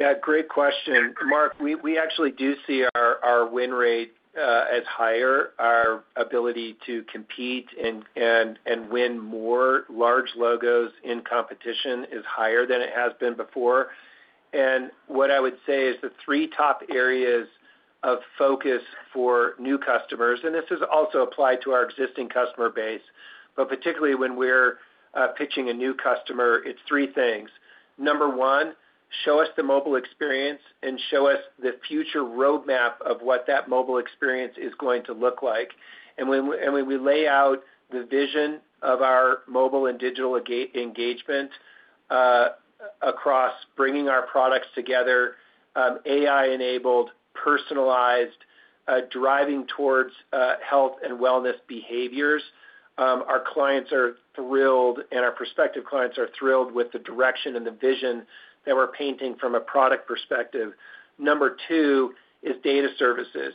Yeah, great question. Mark, we actually do see our win rate as higher. Our ability to compete and win more large logos in competition is higher than it has been before. What I would say is the three top areas of focus for new customers, and this is also applied to our existing customer base, but particularly when we're pitching a new customer, it's three things. Number 1, show us the mobile experience and show us the future roadmap of what that mobile experience is going to look like. And when we lay out the vision of our mobile and digital engagement, across bringing our products together, AI-enabled, personalized, driving towards health and wellness behaviors, our clients are thrilled, and our prospective clients are thrilled with the direction and the vision that we're painting from a product perspective. Number 2 is data services.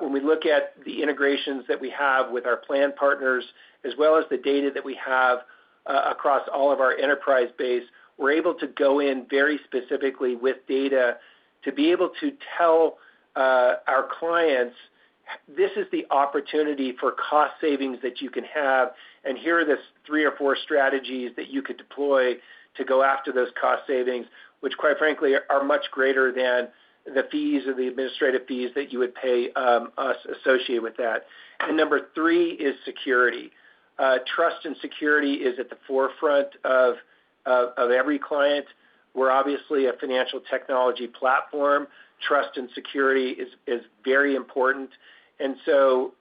When we look at the integrations that we have with our plan partners, as well as the data that we have across all of our enterprise base, we're able to go in very specifically with data to be able to tell our clients, "This is the opportunity for cost savings that you can have, and here are the three or four strategies that you could deploy to go after those cost savings," which, quite frankly, are much greater than the fees or the administrative fees that you would pay us associated with that. Number 3 is security. Trust and security is at the forefront of every client. We're obviously a financial technology platform. Trust and security is very important.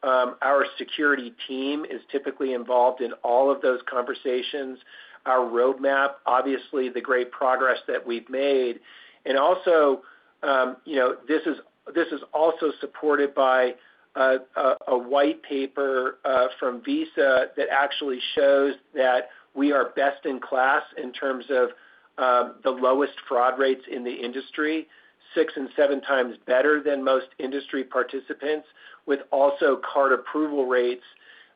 Our security team is typically involved in all of those conversations. Our roadmap, obviously, the great progress that we've made. This is also supported by a white paper from Visa that actually shows that we are best in class in terms of the lowest fraud rates in the industry, 6x and 7x better than most industry participants, with also card approval rates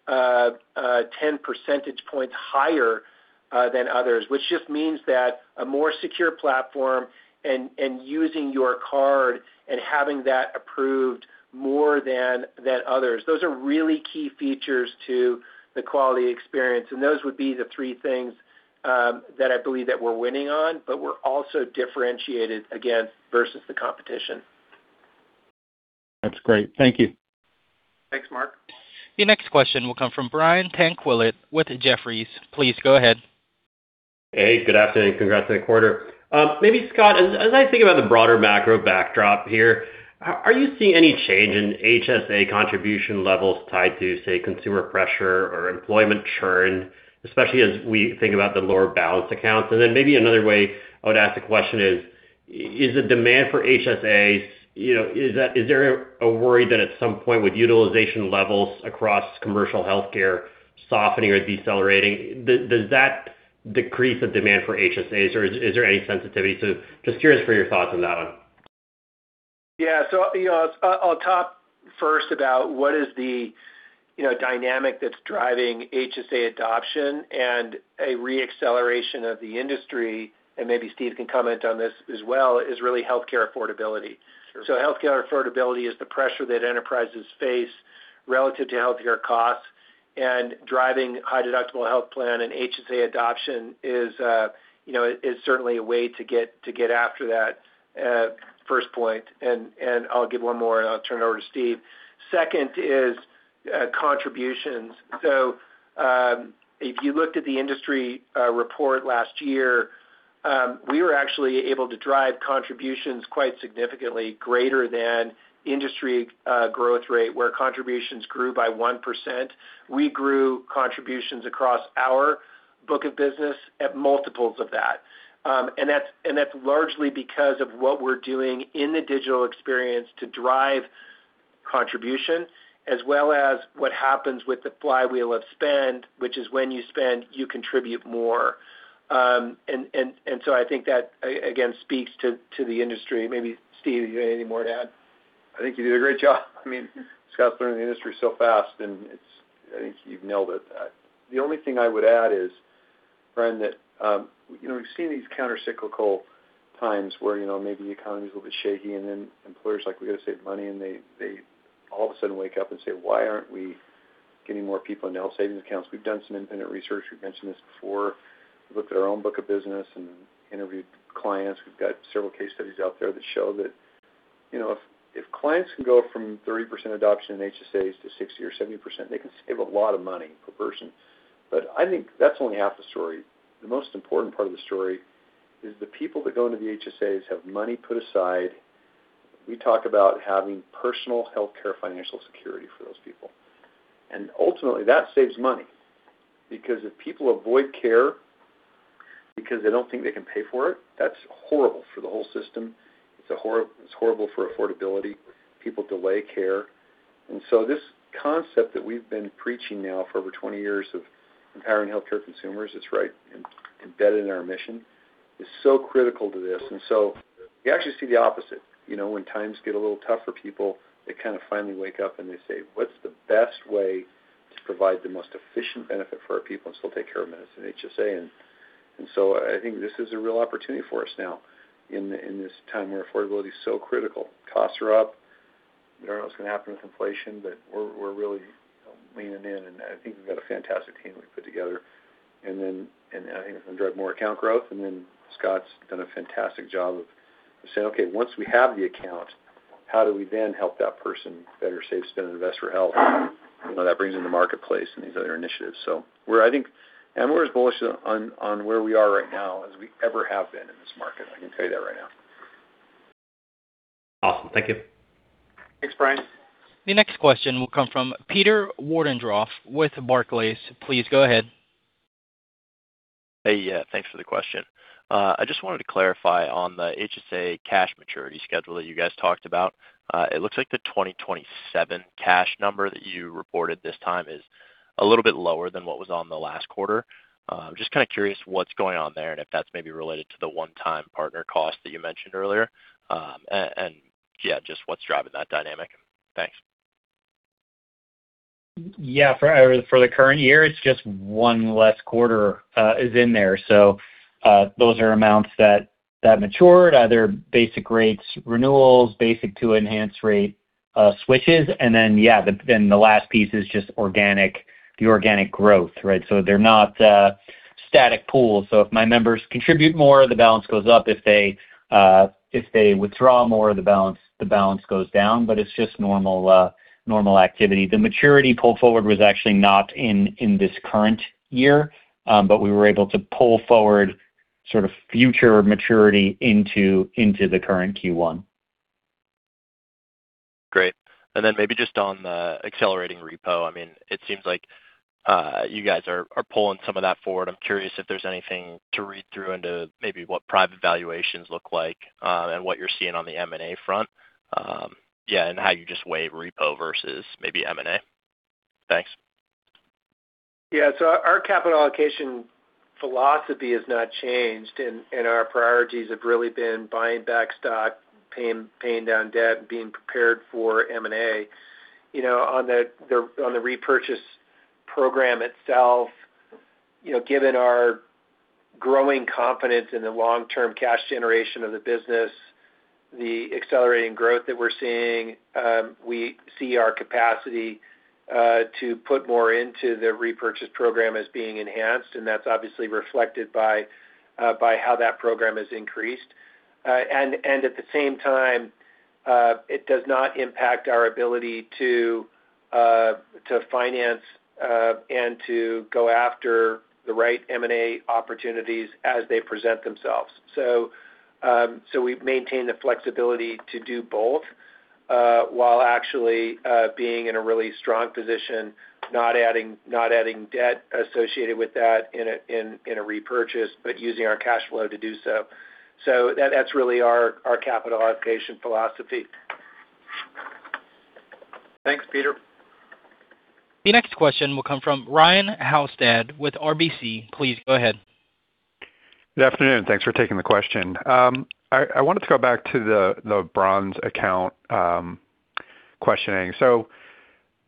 10 percentage points higher than others. Which just means that a more secure platform and using your card and having that approved more than others. Those are really key features to the quality experience, and those would be the three things that I believe that we're winning on, but we're also differentiated again versus the competition. That's great. Thank you. Thanks, Mark. Your next question will come from Brian Tanquilut with Jefferies. Please go ahead. Hey, good afternoon. Congrats on the quarter. Maybe Scott, as I think about the broader macro backdrop here, are you seeing any change in HSA contribution levels tied to, say, consumer pressure or employment churn, especially as we think about the lower balance accounts? Maybe another way I would ask the question is the demand for HSAs, is there a worry that at some point with utilization levels across commercial healthcare softening or decelerating, does that decrease the demand for HSAs, or is there any sensitivity? Just curious for your thoughts on that one. Yeah. I'll talk first about what is the dynamic that's driving HSA adoption and a re-acceleration of the industry, and maybe Steve can comment on this as well, is really healthcare affordability. Sure. Healthcare affordability is the pressure that enterprises face relative to healthcare costs, and driving high deductible health plan and HSA adoption is certainly a way to get after that first point. I'll give one more and I'll turn it over to Steve. 2nd is contributions. If you looked at the industry report last year, we were actually able to drive contributions quite significantly greater than industry growth rate, where contributions grew by 1%. We grew contributions across our book of business at multiples of that. That's largely because of what we're doing in the digital experience to drive contribution, as well as what happens with the flywheel of spend, which is when you spend, you contribute more. I think that, again, speaks to the industry. Maybe Steve, you have any more to add? I think you did a great job. Scott's learning the industry so fast, and I think you've nailed it. The only thing I would add is, Brian, that we've seen these countercyclical times where maybe the economy's a little bit shaky, and then employers are like, "We've got to save money." They all of a sudden wake up and say, "Why aren't we getting more people in Health Savings Accounts?" We've done some independent research, we've mentioned this before. We looked at our own book of business and interviewed clients. We've got several case studies out there that show that if clients can go from 30% adoption in HSAs to 60% or 70%, they can save a lot of money per person. I think that's only half the story. The most important part of the story is the people that go into the HSAs have money put aside. We talk about having personal healthcare financial security for those people. Ultimately, that saves money because if people avoid care because they don't think they can pay for it, that's horrible for the whole system. It's horrible for affordability. People delay care. This concept that we've been preaching now for over 20 years of empowering healthcare consumers, it's right embedded in our mission, is so critical to this. You actually see the opposite. When times get a little tough for people, they kind of finally wake up, and they say, "What's the best way to provide the most efficient benefit for our people and still take care of medicine, HSA?" I think this is a real opportunity for us now in this time where affordability is so critical. Costs are up. We don't know what's going to happen with inflation, but we're really leaning in, and I think we've got a fantastic team we've put together. I think it's going to drive more account growth. Scott's done a fantastic job of saying, "Okay, once we have the account, how do we then help that person better save, spend, and invest for health?" That brings in the Marketplace and these other initiatives. I think HealthEquity is bullish on where we are right now as we ever have been in this market. I can tell you that right now. Awesome. Thank you. Thanks, Brian. The next question will come from Peter Warendorf with Barclays. Please go ahead. Hey. Yeah, thanks for the question. I just wanted to clarify on the HSA cash maturity schedule that you guys talked about. It looks like the 2027 cash number that you reported this time is a little bit lower than what was on the last quarter. I'm just kind of curious what's going on there, and if that's maybe related to the one-time partner cost that you mentioned earlier? And yeah, just what's driving that dynamic? Thanks. For the current year, it's just one less quarter is in there. Those are amounts that matured, either basic rates renewals, basic to enhanced rate switches. The last piece is just the organic growth, right? They're not static pools. If my members contribute more, the balance goes up. If they withdraw more, the balance goes down. It's just normal activity. The maturity pull forward was actually not in this current year, but we were able to pull forward sort of future maturity into the current Q1. Great. Maybe just on the accelerating repo, it seems like you guys are pulling some of that forward. I'm curious if there's anything to read through into maybe what private valuations look like, and what you're seeing on the M&A front? Yeah, how you just weigh repo versus maybe M&A? Thanks. Yeah. Our capital allocation philosophy has not changed, and our priorities have really been buying back stock, paying down debt, and being prepared for M&A. On the repurchase program itself, given our growing confidence in the long-term cash generation of the business, the accelerating growth that we're seeing, we see our capacity to put more into the repurchase program as being enhanced, and that's obviously reflected by how that program has increased. At the same time, it does not impact our ability to finance and to go after the right M&A opportunities as they present themselves. We've maintained the flexibility to do both, while actually being in a really strong position, not adding debt associated with that in a repurchase, but using our cash flow to do so. That's really our capital allocation philosophy. Thanks, Peter. The next question will come from Ryan Halsted with RBC. Please go ahead. Good afternoon. Thanks for taking the question. I wanted to go back to the Bronze account questioning.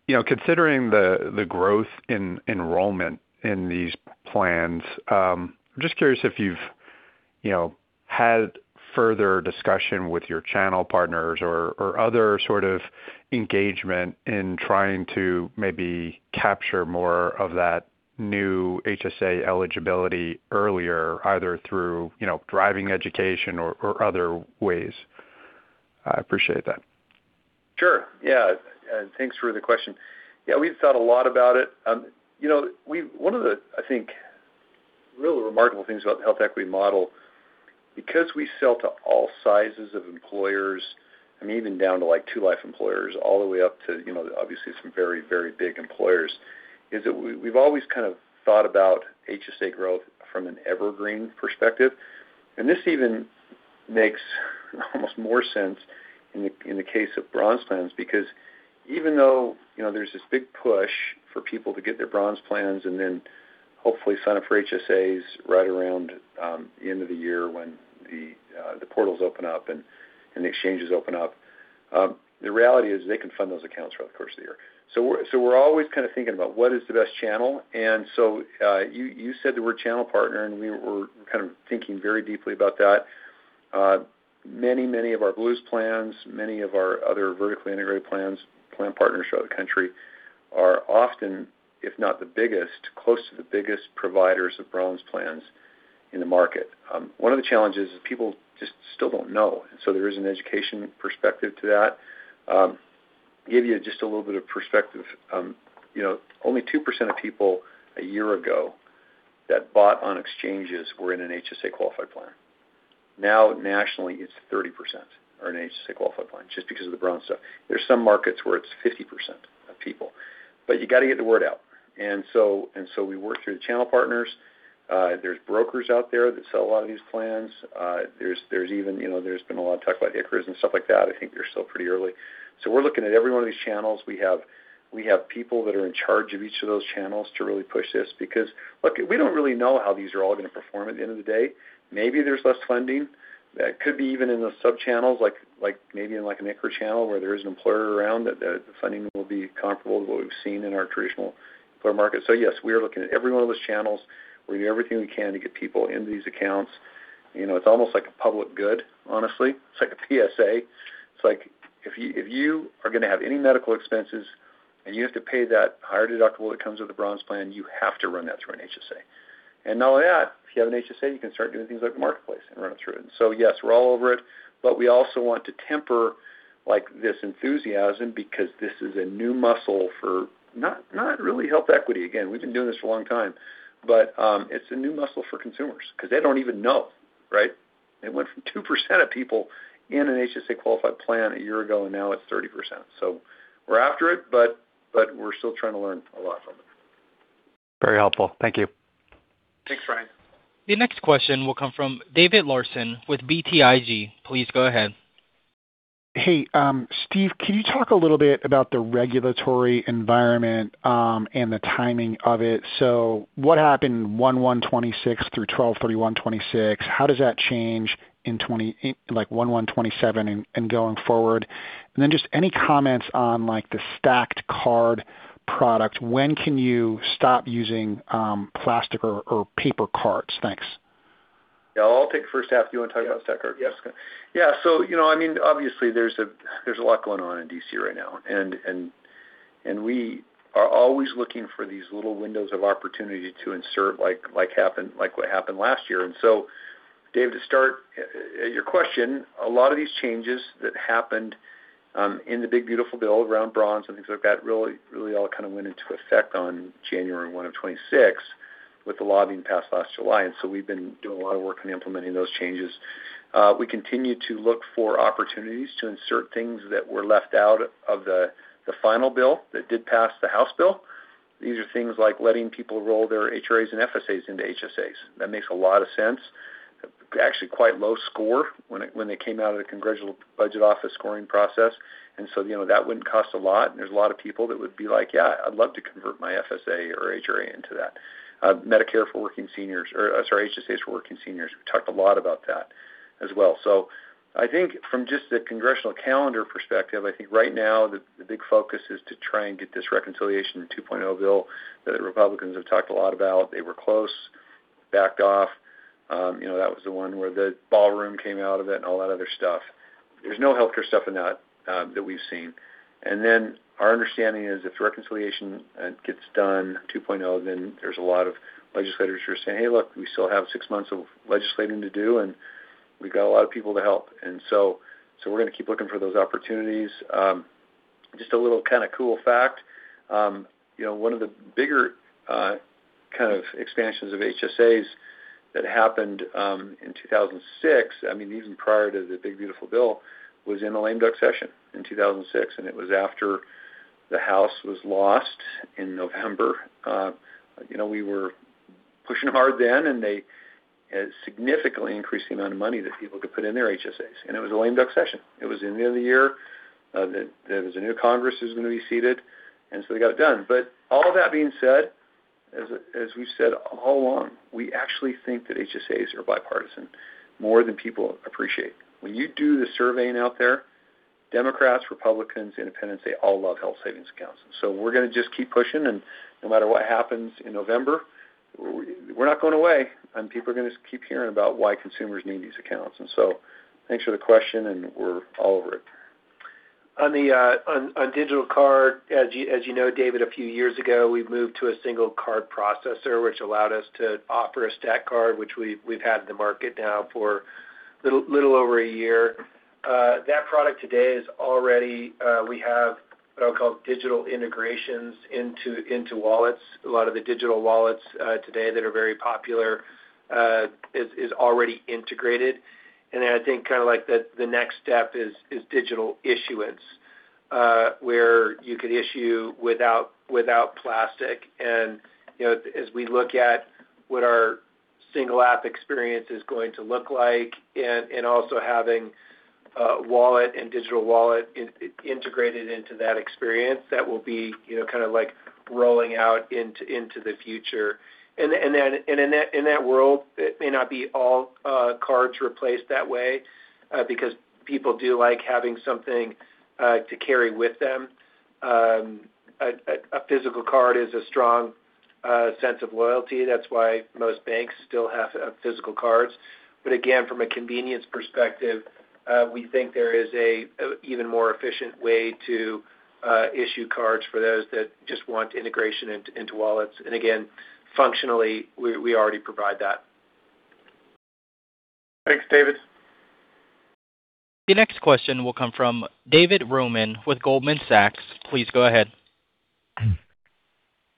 Considering the growth in enrollment in these plans, I'm just curious if you've had further discussion with your channel partners or other sort of engagement in trying to maybe capture more of that new HSA eligibility earlier, either through driving education or other ways. I appreciate that. Sure. Yeah. Thanks for the question. Yeah, we've thought a lot about it. One of the, I think, really remarkable things about the HealthEquity model, because we sell to all sizes of employers, I mean, even down to two life employers all the way up to obviously some very big employers, is that we've always kind of thought about HSA growth from an evergreen perspective. This even makes almost more sense in the case of Bronze plans, because even though there's this big push for people to get their Bronze plans and then hopefully sign up for HSAs right around the end of the year when the portals open up and the exchanges open up, the reality is they can fund those accounts throughout the course of the year. We're always kind of thinking about what is the best channel, you said the word channel partner, and we're kind of thinking very deeply about that. Many of our Blues plans, many of our other vertically integrated plan partners throughout the country are often, if not the biggest, close to the biggest providers of Bronze plans in the market. One of the challenges is people just still don't know. There is an education perspective to that. Give you just a little bit of perspective. Only 2% of people a year ago that bought on exchanges were in an HSA-qualified plan. Now, nationally, it's 30% are in HSA-qualified plans, just because of the Bronze stuff. There's some markets where it's 50% of people. You got to get the word out. We work through the channel partners. There's brokers out there that sell a lot of these plans. There's been a lot of talk about ICHRAs and stuff like that. I think they're still pretty early. We're looking at every one of these channels. We have people that are in charge of each of those channels to really push this because, look, we don't really know how these are all going to perform at the end of the day. Maybe there's less funding. That could be even in the sub-channels, like maybe in an ICHRA channel where there is an employer around that the funding will be comparable to what we've seen in our traditional employer market. Yes, we are looking at every one of those channels. We're doing everything we can to get people in these accounts. It's almost like a public good, honestly. It's like a PSA. It's like if you are going to have any medical expenses and you have to pay that higher deductible that comes with a Bronze plan, you have to run that through an HSA. Not only that, if you have an HSA, you can start doing things like Marketplace and run it through. Yes, we're all over it, but we also want to temper this enthusiasm because this is a new muscle for not really HealthEquity. Again, we've been doing this for a long time, but it's a new muscle for consumers because they don't even know, right? It went from 2% of people in an HSA-qualified plan a year ago, and now it's 30%. We're after it, but we're still trying to learn a lot from it. Very helpful. Thank you. Thanks, Ryan. The next question will come from David Larsen with BTIG. Please go ahead. Hey, Steve, can you talk a little bit about the regulatory environment and the timing of it? What happened January 1, 2026 through December 31, 2026? How does that change in January 1, 2027 and going forward? Then just any comments on the stacked card product. When can you stop using plastic or paper cards? Thanks. Yeah, I'll take the first half. Do you want to talk about stacked card? Yeah. Yeah. Obviously, there's a lot going on in D.C. right now, and we are always looking for these little windows of opportunity to insert, like what happened last year. David, to start your question, a lot of these changes that happened in the big beautiful bill around Bronze and things like that really all kind of went into effect on January 1 of 2026 with the law being passed last July. We've been doing a lot of work on implementing those changes. We continue to look for opportunities to insert things that were left out of the final bill that did pass the House bill. These are things like letting people roll their HRAs and FSAs into HSAs. That makes a lot of sense. Actually, quite low score when they came out of the Congressional Budget Office scoring process, and so that wouldn't cost a lot, and there's a lot of people that would be like, "Yeah, I'd love to convert my FSA or HRA into that." Medicare for working seniors, or sorry, HSAs for working seniors. We've talked a lot about that as well. I think from just the congressional calendar perspective, I think right now the big focus is to try and get this reconciliation 2.0 bill that the Republicans have talked a lot about. They were close, backed off. That was the one where the ballroom came out of it and all that other stuff. There's no healthcare stuff in that that we've seen. Our understanding is if the reconciliation gets done 2.0, then there's a lot of legislators who are saying, "Hey, look, we still have six months of legislating to do, and we've got a lot of people to help." We're going to keep looking for those opportunities. Just a little kind of cool fact. One of the bigger kind of expansions of HSAs that happened in 2006, even prior to the big beautiful bill, was in the lame duck session in 2006, and it was after the House was lost in November. We were pushing hard then, and they significantly increased the amount of money that people could put in their HSAs, and it was a lame duck session. It was the end of the year. There was a new Congress that was going to be seated, and so they got it done. All of that being said, as we've said all along, we actually think that HSAs are bipartisan more than people appreciate. When you do the surveying out there, Democrats, Republicans, Independents, they all love Health Savings Accounts. We're going to just keep pushing, and no matter what happens in November, we're not going away, and people are going to keep hearing about why consumers need these accounts. Thanks for the question, and we're all over it. On digital card, as you know, David, a few years ago, we moved to a single card processor, which allowed us to offer a stacked card, which we've had in the market now for little over a year. That product today, we have what are called digital integrations into wallets. A lot of the digital wallets today that are very popular is already integrated. Then I think the next step is digital issuance, where you could issue without plastic. As we look at what our single app experience is going to look like and also having wallet and digital wallet integrated into that experience, that will be rolling out into the future. In that world, it may not be all cards replaced that way because people do like having something to carry with them. A physical card is a strong sense of loyalty. That's why most banks still have physical cards. Again, from a convenience perspective, we think there is an even more efficient way to issue cards for those that just want integration into wallets. Again, functionally, we already provide that. Thanks, David. The next question will come from David Roman with Goldman Sachs. Please go ahead.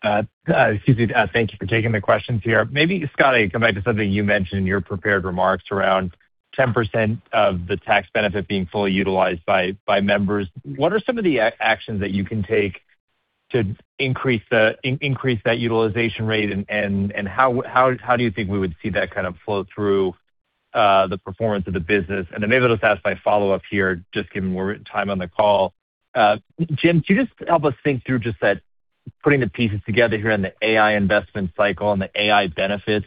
Excuse me. Thank you for taking the questions here. Maybe, Scott, I come back to something you mentioned in your prepared remarks around 10% of the tax benefit being fully utilized by members. What are some of the actions that you can take to increase that utilization rate, and how do you think we would see that kind of flow through the performance of the business? Maybe let us ask my follow-up here, just given we're at time on the call. Jim, could you just help us think through just that, putting the pieces together here on the AI investment cycle and the AI benefits?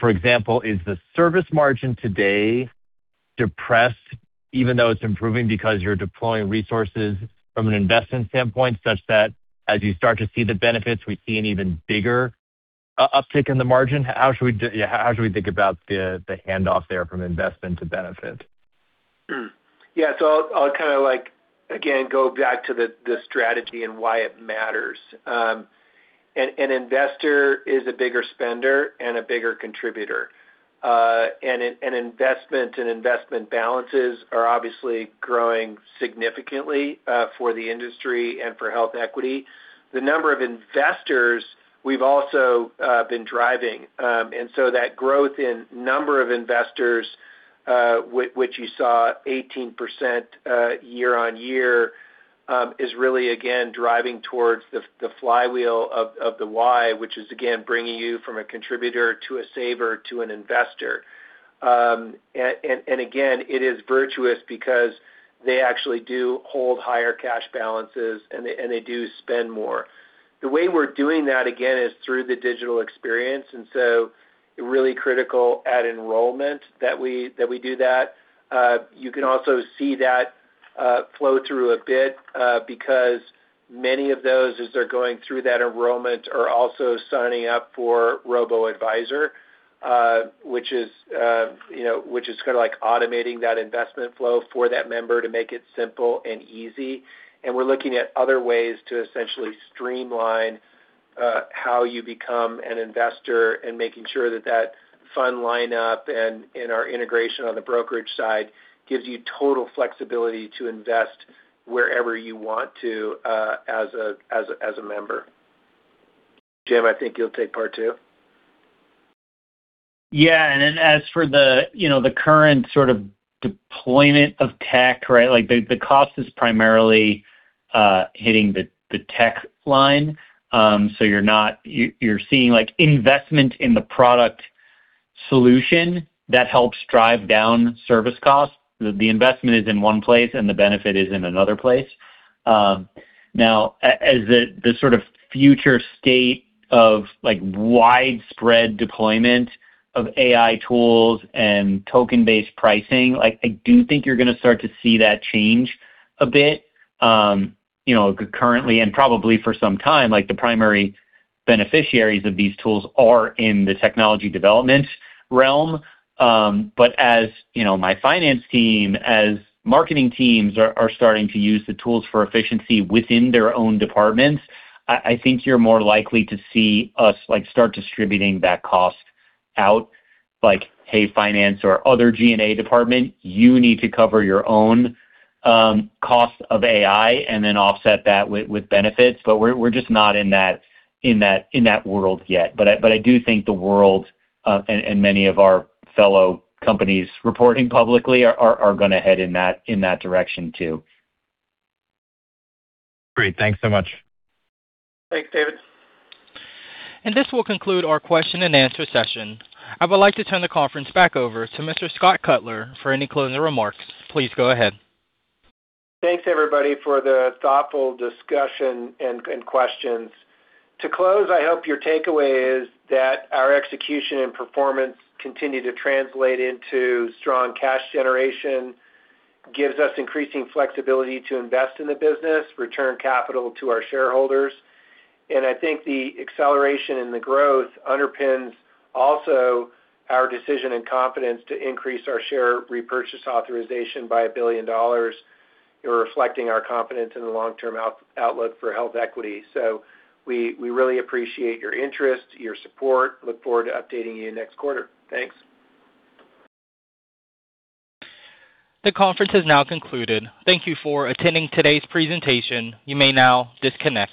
For example, is the service margin today depressed, even though it's improving because you're deploying resources from an investment standpoint, such that as you start to see the benefits, we see an even bigger uptick in the margin? How should we think about the handoff there from investment to benefit? Yeah. I'll kind of, again, go back to the strategy and why it matters. An investor is a bigger spender and a bigger contributor. Investment balances are obviously growing significantly for the industry and for HealthEquity. The number of investors we've also been driving, that growth in number of investors, which you saw 18% year-on-year, is really, again, driving towards the flywheel of the why, which is again, bringing you from a contributor to a saver to an investor. Again, it is virtuous because they actually do hold higher cash balances, and they do spend more. The way we're doing that, again, is through the digital experience, really critical at enrollment that we do that. You can also see that flow through a bit because many of those, as they're going through that enrollment, are also signing up for Advisor, which is kind of automating that investment flow for that member to make it simple and easy. We're looking at other ways to essentially streamline how you become an investor and making sure that that fund lineup and our integration on the brokerage side gives you total flexibility to invest wherever you want to as a member. Jim, I think you'll take part too. Yeah. As for the current sort of deployment of tech, right? The cost is primarily hitting the tech line. You're seeing investment in the product solution that helps drive down service costs. The investment is in one place, and the benefit is in another place. Now, as the sort of future state of widespread deployment of AI tools and token-based pricing, I do think you're going to start to see that change a bit currently and probably for some time. The primary beneficiaries of these tools are in the technology development realm. As my finance team, as marketing teams are starting to use the tools for efficiency within their own departments, I think you're more likely to see us start distributing that cost out. Like, "Hey, finance or other G&A department, you need to cover your own cost of AI and then offset that with benefits." We're just not in that world yet. I do think the world, and many of our fellow companies reporting publicly, are going to head in that direction, too. Great. Thanks so much. Thanks, David. This will conclude our question and answer session. I would like to turn the conference back over to Mr. Scott Cutler for any closing remarks. Please go ahead. Thanks, everybody, for the thoughtful discussion and questions. To close, I hope your takeaway is that our execution and performance continue to translate into strong cash generation, gives us increasing flexibility to invest in the business, return capital to our shareholders. I think the acceleration and the growth underpins also our decision and confidence to increase our share repurchase authorization by $1 billion. We're reflecting our confidence in the long-term outlook for HealthEquity. We really appreciate your interest, your support. Look forward to updating you next quarter. Thanks. The conference has now concluded. Thank you for attending today's presentation. You may now disconnect.